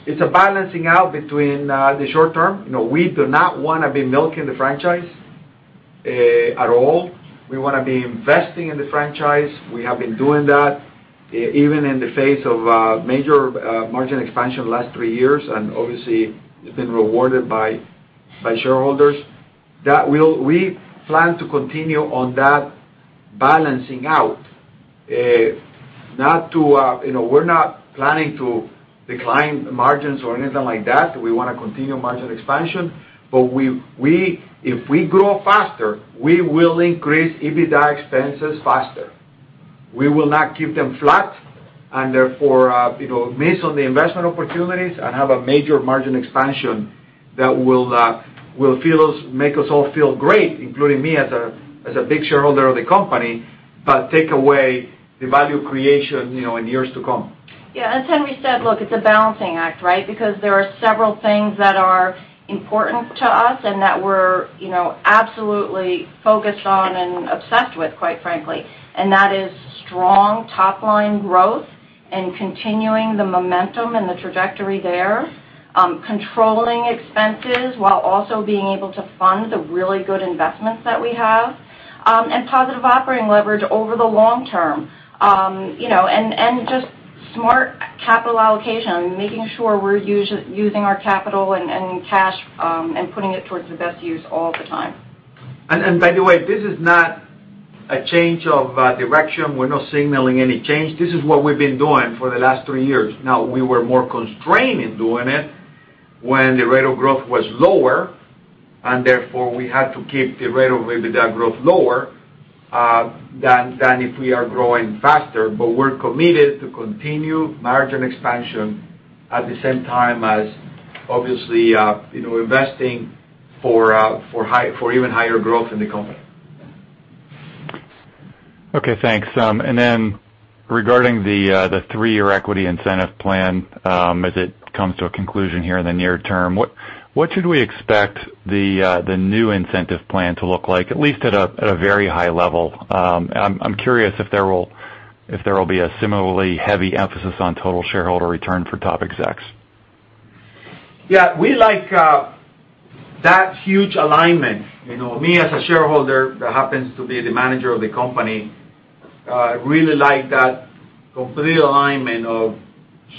It's a balancing out between the short term. We do not want to be milking the franchise at all. We want to be investing in the franchise. We have been doing that even in the face of major margin expansion the last three years, and obviously it's been rewarded by shareholders. We plan to continue on that balancing out. We're not planning to decline margins or anything like that. We want to continue margin expansion. If we grow faster, we will increase EBITDA expenses faster. We will not keep them flat, and therefore, miss on the investment opportunities and have a major margin expansion that will make us all feel great, including me as a big shareholder of the company, but take away the value creation in years to come. As Henry said, look, it's a balancing act, right? There are several things that are important to us and that we're absolutely focused on and obsessed with, quite frankly, and that is strong top-line growth and continuing the momentum and the trajectory there. Controlling expenses while also being able to fund the really good investments that we have, and positive operating leverage over the long term. Just smart capital allocation, making sure we're using our capital and cash, and putting it towards the best use all the time. By the way, this is not a change of direction. We're not signaling any change. This is what we've been doing for the last three years now. We were more constrained in doing it when the rate of growth was lower, and therefore we had to keep the rate of EBITDA growth lower than if we are growing faster. We're committed to continue margin expansion at the same time as obviously, investing for even higher growth in the company. Okay, thanks. Regarding the three-year equity incentive plan, as it comes to a conclusion here in the near term, what should we expect the new incentive plan to look like, at least at a very high level? I'm curious if there will be a similarly heavy emphasis on total shareholder return for top execs. We like that huge alignment. Me as a shareholder that happens to be the manager of the company, really like that complete alignment of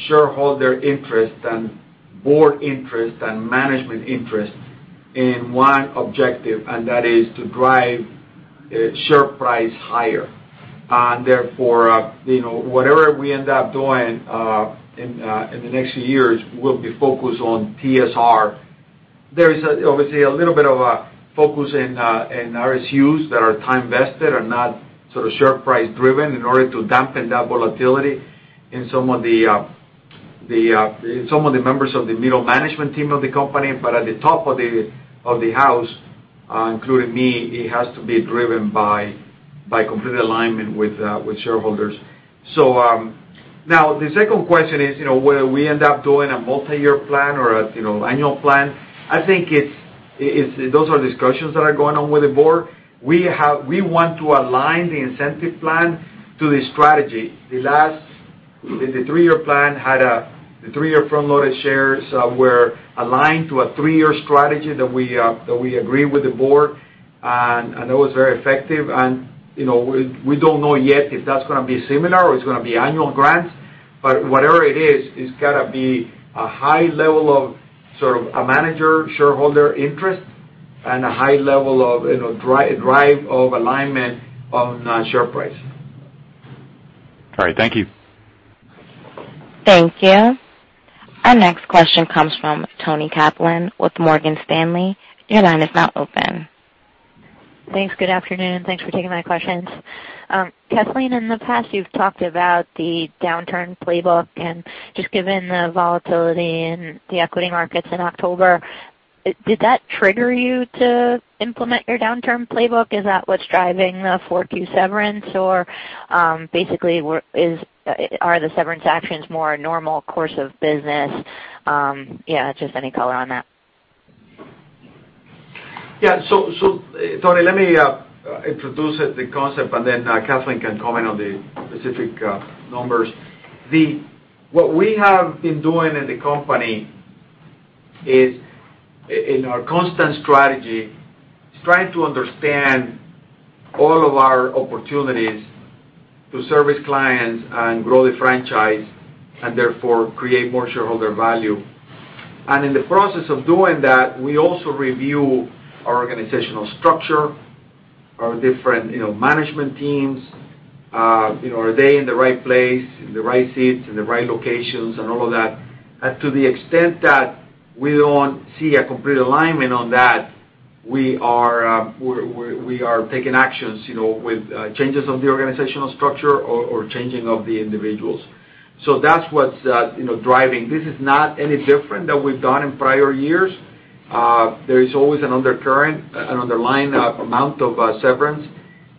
shareholder interest and board interest, and management interest in one objective, and that is to drive share price higher. Therefore, whatever we end up doing in the next few years will be focused on TSR. There is obviously a little bit of a focus in RSUs that are time-vested and not sort of share price driven in order to dampen that volatility in some of the members of the middle management team of the company, but at the top of the house, including me, it has to be driven by complete alignment with shareholders. Now the second question is, whether we end up doing a multi-year plan or annual plan. I think those are discussions that are going on with the board. We want to align the incentive plan to the strategy. The three-year plan had the three-year front-loaded shares were aligned to a three-year strategy that we agreed with the board, and that was very effective. We don't know yet if that's going to be similar or it's going to be annual grants. Whatever it is, it's got to be a high level of manager shareholder interest and a high level of drive of alignment on share price. All right. Thank you. Thank you. Our next question comes from Toni Kaplan with Morgan Stanley. Your line is now open. Thanks. Good afternoon. Thanks for taking my questions. Kathleen, in the past, you've talked about the downturn playbook, just given the volatility in the equity markets in October, did that trigger you to implement your downturn playbook? Is that what's driving the 4Q severance, or basically, are the severance actions more a normal course of business? Yeah, just any color on that. Toni, let me introduce the concept, and then Kathleen can comment on the specific numbers. What we have been doing in the company is in our constant strategy, is trying to understand all of our opportunities to service clients and grow the franchise, and therefore create more shareholder value. In the process of doing that, we also review our organizational structure, our different management teams. Are they in the right place, in the right seats, in the right locations and all of that. And to the extent that we don't see a complete alignment on that, we are taking actions, with changes of the organizational structure or changing of the individuals. That's what's driving. This is not any different than we've done in prior years. There is always an undercurrent, an underlying amount of severance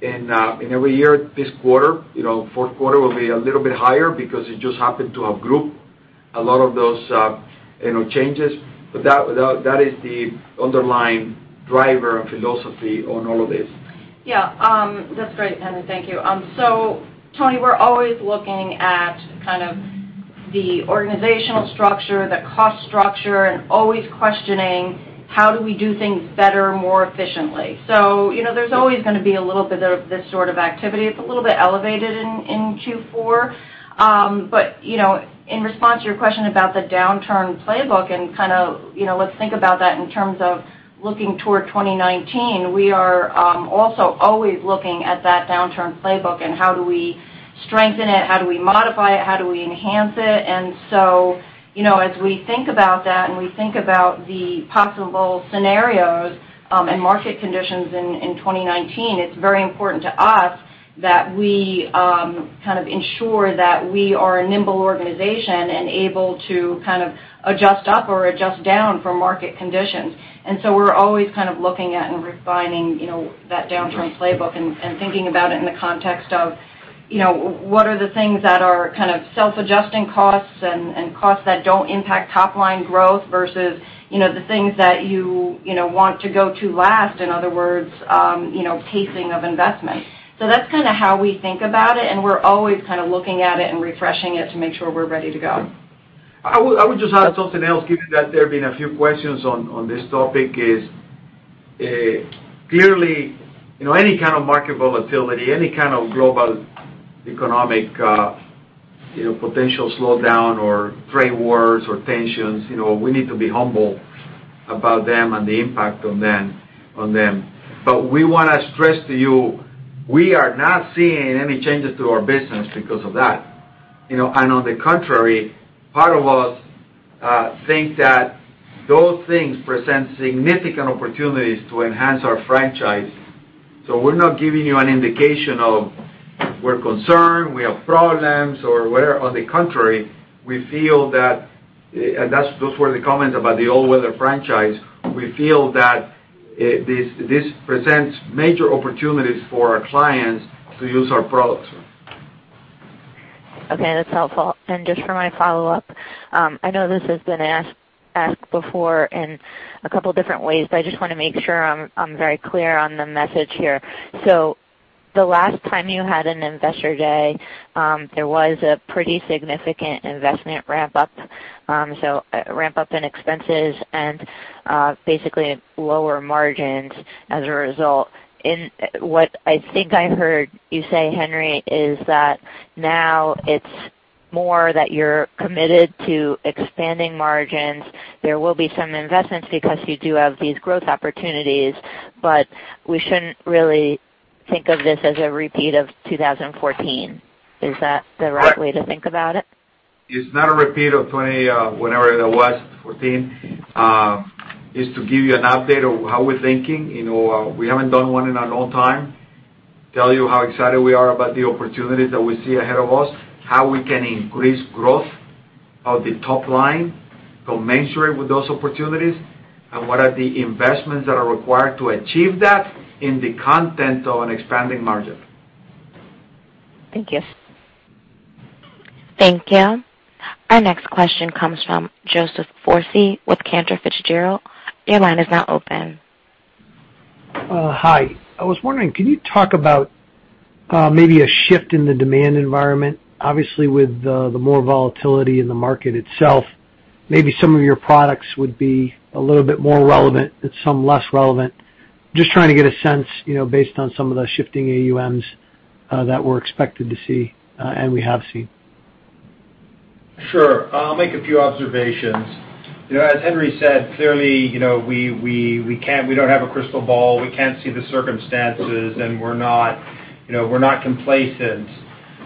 in every year. This quarter, fourth quarter will be a little bit higher because it just happened to have grouped a lot of those changes. That is the underlying driver and philosophy on all of this. Yeah. That's great, Henry. Thank you. Toni, we're always looking at the organizational structure, the cost structure, and always questioning how do we do things better, more efficiently. There's always going to be a little bit of this sort of activity. It's a little bit elevated in Q4. In response to your question about the downturn playbook and let's think about that in terms of looking toward 2019, we are also always looking at that downturn playbook and how do we strengthen it, how do we modify it, how do we enhance it? As we think about that and we think about the possible scenarios and market conditions in 2019, it's very important to us that we ensure that we are a nimble organization and able to adjust up or adjust down for market conditions. We're always looking at and refining that downturn playbook and thinking about it in the context of what are the things that are self-adjusting costs and costs that don't impact top-line growth versus the things that you want to go to last. In other words, pacing of investment. That's how we think about it, and we're always looking at it and refreshing it to make sure we're ready to go. I would just add something else, given that there have been a few questions on this topic is, clearly, any kind of market volatility, any kind of global economic potential slowdown or trade wars or tensions, we need to be humble about them and the impact on them. We want to stress to you, we are not seeing any changes to our business because of that. On the contrary, part of us think that those things present significant opportunities to enhance our franchise. We're not giving you an indication of we're concerned, we have problems or whatever. On the contrary, we feel that, and those were the comments about the all-weather franchise. We feel that this presents major opportunities for our clients to use our products. Okay, that's helpful. Just for my follow-up, I know this has been asked before in a couple of different ways, but I just want to make sure I'm very clear on the message here. The last time you had an Investor Day, there was a pretty significant investment ramp up. Ramp up in expenses and basically lower margins as a result. What I think I heard you say, Henry, is that now it's more that you're committed to expanding margins. There will be some investments because you do have these growth opportunities, but we shouldn't really think of this as a repeat of 2014. Is that the right way to think about it? It's not a repeat of whenever that was, 2014. It's to give you an update of how we're thinking. We haven't done one in a long time. Tell you how excited we are about the opportunities that we see ahead of us, how we can increase growth of the top line, go measure it with those opportunities, and what are the investments that are required to achieve that in the content of an expanding margin. Thank you. Thank you. Our next question comes from Joseph Foresi with Cantor Fitzgerald. Your line is now open. Hi. I was wondering, can you talk about maybe a shift in the demand environment? Obviously, with the more volatility in the market itself, maybe some of your products would be a little bit more relevant and some less relevant. Just trying to get a sense, based on some of the shifting AUMs that we're expected to see and we have seen. Sure. I'll make a few observations. As Henry said, clearly, we don't have a crystal ball. We can't see the circumstances, and we're not complacent.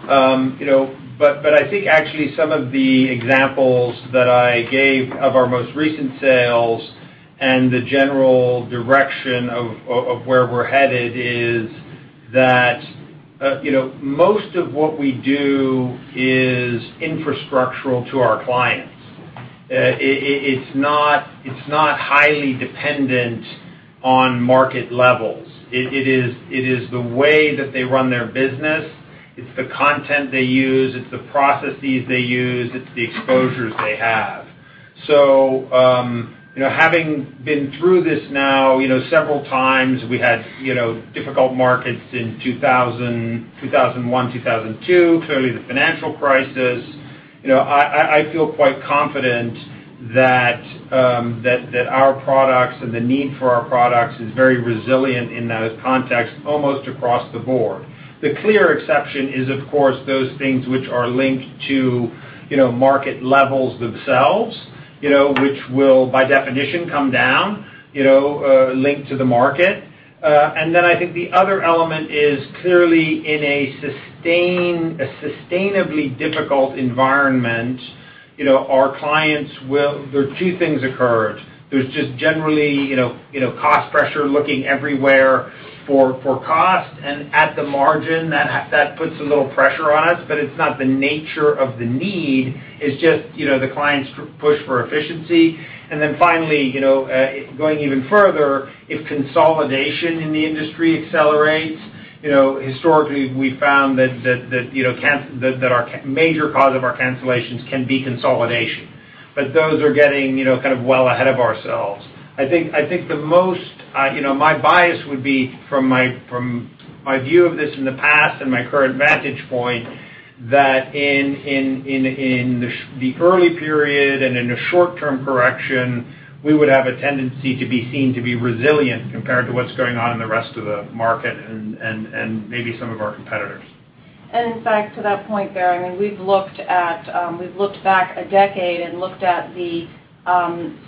I think actually some of the examples that I gave of our most recent sales and the general direction of where we're headed is that, most of what we do is infrastructural to our clients. It's not highly dependent on market levels. It is the way that they run their business, it's the content they use, it's the processes they use, it's the exposures they have. Having been through this now several times, we had difficult markets in 2000, 2001, 2002, clearly the financial crisis. I feel quite confident that our products and the need for our products is very resilient in those contexts, almost across the board. The clear exception is, of course, those things which are linked to market levels themselves, which will, by definition, come down, linked to the market. I think the other element is clearly in a sustainably difficult environment, there are two things occurred. There's just generally, cost pressure, looking everywhere for cost and at the margin, that puts a little pressure on us, but it's not the nature of the need, it's just the clients push for efficiency. Finally, going even further, if consolidation in the industry accelerates, historically, we found that our major cause of our cancellations can be consolidation. Those are getting kind of well ahead of ourselves. I think my bias would be, from my view of this in the past and my current vantage point, that in the early period and in a short-term correction, we would have a tendency to be seen to be resilient compared to what's going on in the rest of the market and maybe some of our competitors. In fact, to that point, Baer, we've looked back a decade and looked at the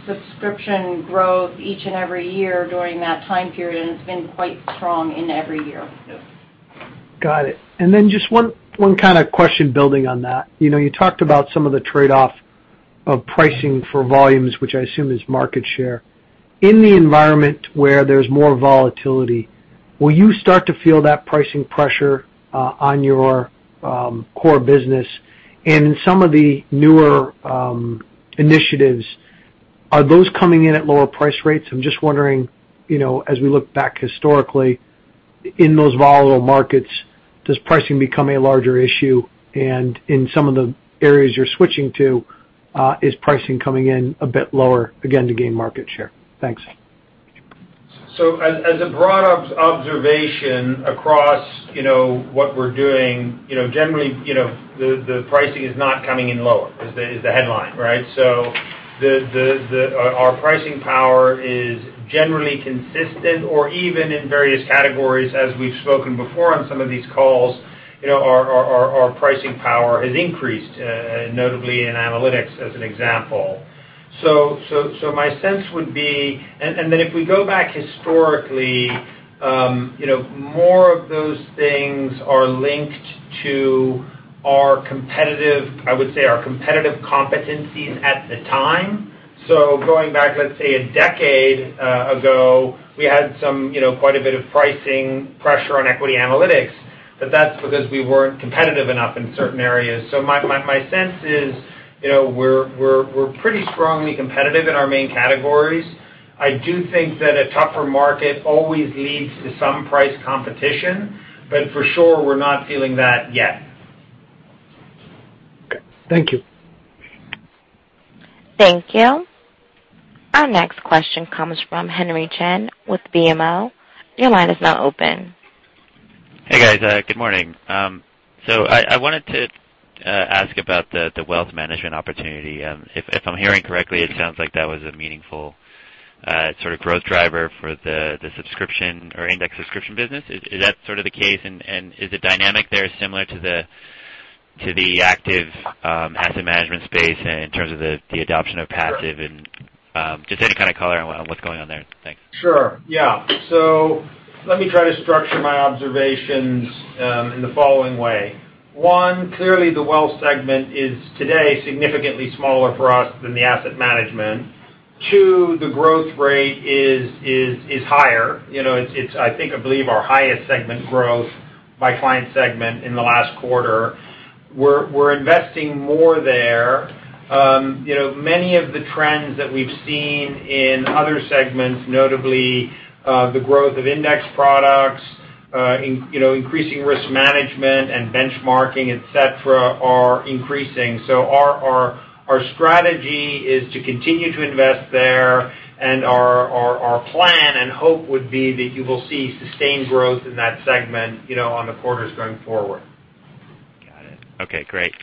subscription growth each and every year during that time period, and it's been quite strong in every year. Got it. Just one kind of question building on that. You talked about some of the trade-off of pricing for volumes, which I assume is market share. In the environment where there's more volatility, will you start to feel that pricing pressure on your core business? In some of the newer initiatives, are those coming in at lower price rates? I'm just wondering, as we look back historically in those volatile markets, does pricing become a larger issue? In some of the areas you're switching to, is pricing coming in a bit lower, again, to gain market share? Thanks. As a broad observation across what we're doing, generally, the pricing is not coming in lower is the headline, right. Our pricing power is generally consistent or even in various categories, as we've spoken before on some of these calls, our pricing power has increased, notably in analytics as an example. My sense, if we go back historically, more of those things are linked to our competitive competencies at the time. A decade ago, we had quite a bit of pricing pressure on Equity Analytics, but that's because we weren't competitive enough in certain areas. My sense is, we're pretty strongly competitive in our main categories. I do think that a tougher market always leads to some price competition. For sure, we're not feeling that yet. Okay. Thank you. Thank you. Our next question comes from Henry Chien with BMO. Your line is now open. Hey, guys. Good morning. I wanted to ask about the wealth management opportunity. If I'm hearing correctly, it sounds like that was a meaningful sort of growth driver for the subscription or index subscription business. Is that sort of the case, and is the dynamic there similar to the active asset management space in terms of the adoption of passive and just any kind of color on what's going on there? Thanks. Sure. Yeah. Let me try to structure my observations in the following way. One, clearly the wealth segment is today significantly smaller for us than the asset management Two, the growth rate is higher. I think, I believe our highest segment growth by client segment in the last quarter. We're investing more there. Many of the trends that we've seen in other segments, notably the growth of index products, increasing risk management and benchmarking, et cetera, are increasing. Our strategy is to continue to invest there, and our plan and hope would be that you will see sustained growth in that segment on the quarters going forward. Got it. Okay, great.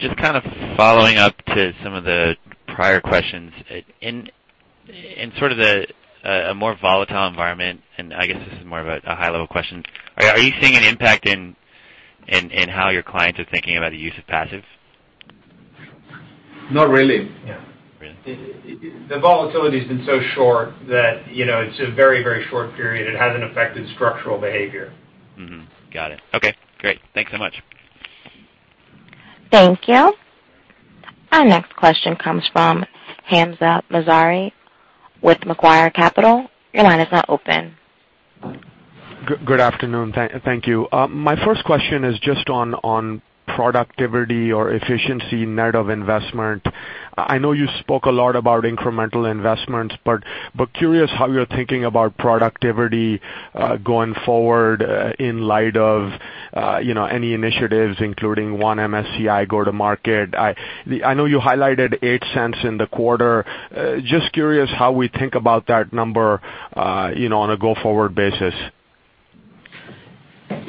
Just kind of following up to some of the prior questions. In sort of a more volatile environment, and I guess this is more of a high-level question, are you seeing an impact in how your clients are thinking about the use of passive? Not really. Yeah. Really? The volatility's been so short that it's a very short period. It hasn't affected structural behavior. Mm-hmm. Got it. Okay, great. Thanks so much. Thank you. Our next question comes from Hamzah Mazari with Macquarie Capital. Your line is now open. Good afternoon. Thank you. My first question is just on productivity or efficiency net of investment. Curious how you're thinking about productivity, going forward, in light of any initiatives, including One MSCI go to market. I know you highlighted $0.08 in the quarter. Just curious how we think about that number on a go-forward basis.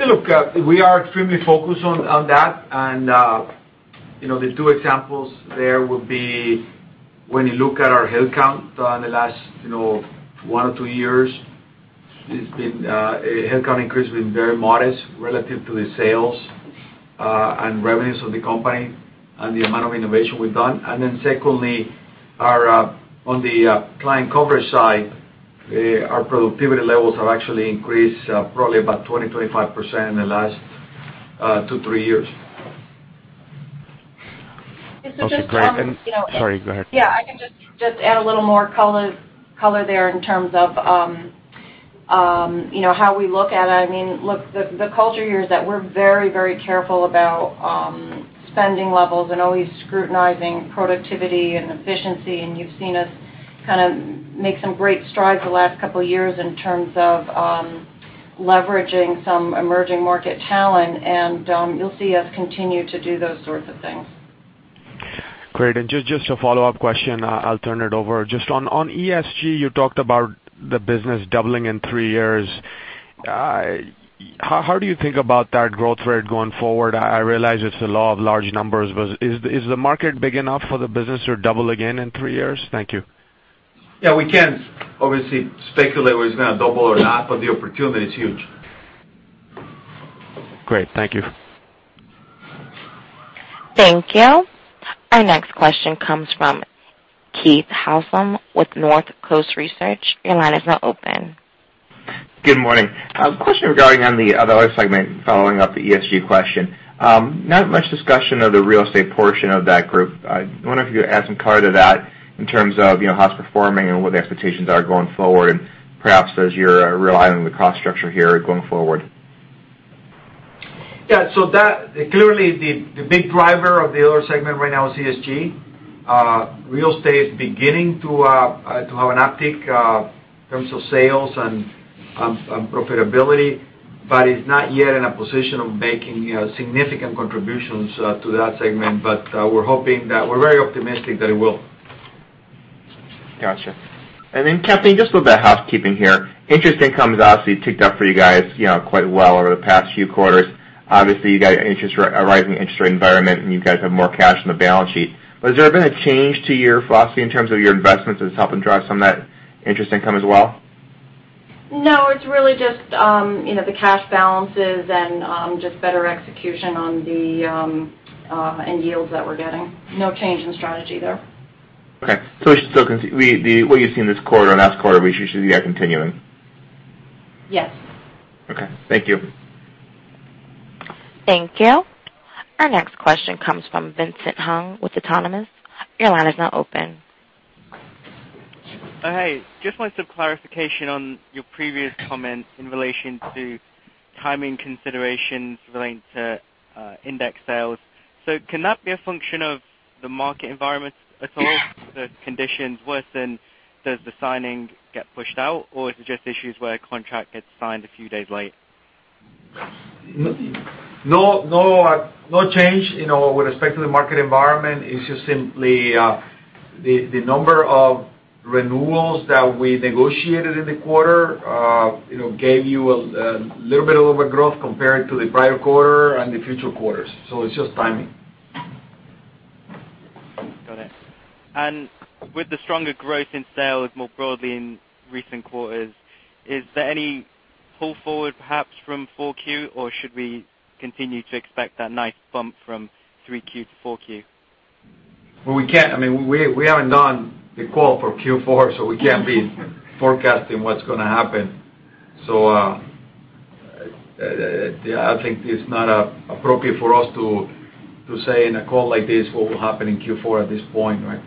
Look, we are extremely focused on that, the two examples there would be when you look at our headcount in the last one or two years, headcount increase has been very modest relative to the sales and revenues of the company and the amount of innovation we've done. Secondly, on the client coverage side, our productivity levels have actually increased probably about 20%-25% in the last two, three years. Okay, great. Sorry, go ahead. Yeah, I can just add a little more color there in terms of how we look at it. Look, the culture here is that we're very careful about spending levels and always scrutinizing productivity and efficiency, you've seen us kind of make some great strides the last couple of years in terms of leveraging some emerging market talent, you'll see us continue to do those sorts of things. Great. Just a follow-up question, I'll turn it over. Just on ESG, you talked about the business doubling in three years. How do you think about that growth rate going forward? I realize it's the law of large numbers, but is the market big enough for the business to double again in three years? Thank you. Yeah, we can't obviously speculate whether it's going to double or not, but the opportunity is huge. Great. Thank you. Thank you. Our next question comes from Keith Housum with North Coast Research. Your line is now open. Good morning. A question regarding on the other segment, following up the ESG question. Not much discussion of the real estate portion of that group. I wonder if you could add some color to that in terms of how it's performing and what the expectations are going forward, and perhaps as you're realigning the cost structure here going forward. Yeah. Clearly the big driver of the other segment right now is ESG. Real estate is beginning to have an uptick in terms of sales and profitability, it's not yet in a position of making significant contributions to that segment. We're very optimistic that it will. Got you. Kathleen, just a little bit of housekeeping here. Interest income has obviously ticked up for you guys quite well over the past few quarters. Obviously, you've got a rising interest rate environment, you guys have more cash on the balance sheet. Has there been a change to your philosophy in terms of your investments that's helping drive some of that interest income as well? No, it's really just the cash balances and just better execution on the end yields that we're getting. No change in strategy there. Okay. What you've seen this quarter and last quarter, we should see that continuing? Yes. Okay. Thank you. Thank you. Our next question comes from Vincent Hung with Autonomous. Your line is now open. Hey, just wanted some clarification on your previous comment in relation to timing considerations relating to index sales. Can that be a function of the market environment at all? If the condition's worse, does the signing get pushed out, or is it just issues where a contract gets signed a few days late? No change with respect to the market environment. It's just simply the number of renewals that we negotiated in the quarter gave you a little bit of overgrowth compared to the prior quarter and the future quarters. It's just timing. Got it. With the stronger growth in sales more broadly in recent quarters, is there any pull forward perhaps from four Q, or should we continue to expect that nice bump from three Q to four Q? We haven't done the call for Q4, we can't be forecasting what's going to happen. I think it's not appropriate for us to say in a call like this what will happen in Q4 at this point, right?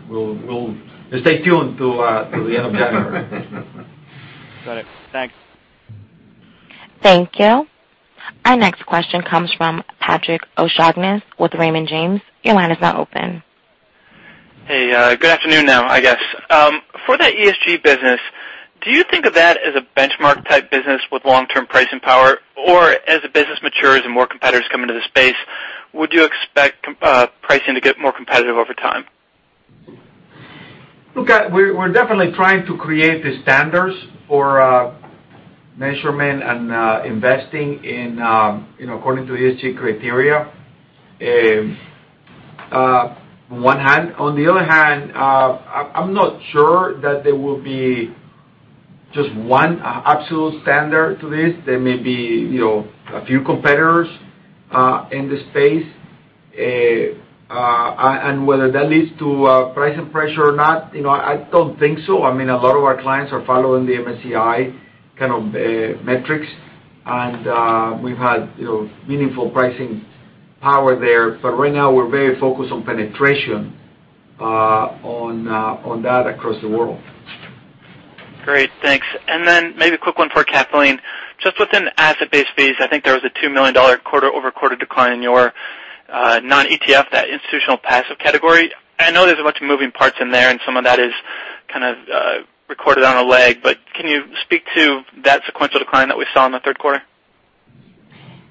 Just stay tuned till the end of January. Got it. Thanks. Thank you. Our next question comes from Patrick O'Shaughnessy with Raymond James. Your line is now open. Hey, good afternoon now, I guess. For the ESG business, do you think of that as a benchmark type business with long-term pricing power? Or as the business matures and more competitors come into the space, would you expect pricing to get more competitive over time? Look, we're definitely trying to create the standards for measurement and investing according to ESG criteria, on one hand. On the other hand, I'm not sure that there will be just one absolute standard to this. There may be a few competitors in the space. Whether that leads to pricing pressure or not, I don't think so. A lot of our clients are following the MSCI kind of metrics. We've had meaningful pricing power there. Right now, we're very focused on penetration on that across the world. Great. Thanks. Maybe a quick one for Kathleen. Just within the asset base fees, I think there was a $2 million quarter-over-quarter decline in your non-ETF, that institutional passive category. I know there's a bunch of moving parts in there, and some of that is kind of recorded on a lag, but can you speak to that sequential decline that we saw in the third quarter?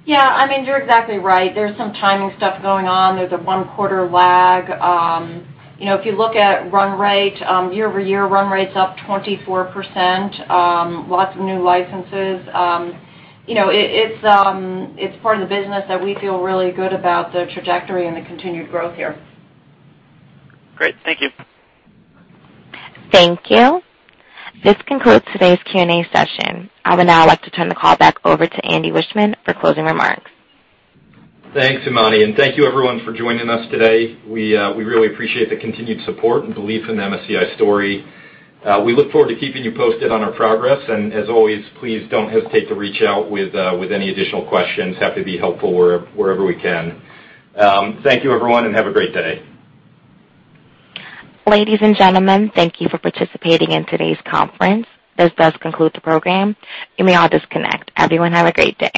Yeah. You're exactly right. There's some timing stuff going on. There's a one-quarter lag. If you look at run rate, year-over-year run rate's up 24%, lots of new licenses. It's part of the business that we feel really good about the trajectory and the continued growth here. Great. Thank you. Thank you. This concludes today's Q&A session. I would now like to turn the call back over to Andy Wiechmann for closing remarks. Thanks, Armani. Thank you everyone for joining us today. We really appreciate the continued support and belief in the MSCI story. We look forward to keeping you posted on our progress. As always, please don't hesitate to reach out with any additional questions. Happy to be helpful wherever we can. Thank you, everyone. Have a great day. Ladies and gentlemen, thank you for participating in today's conference. This does conclude the program. You may all disconnect. Everyone have a great day.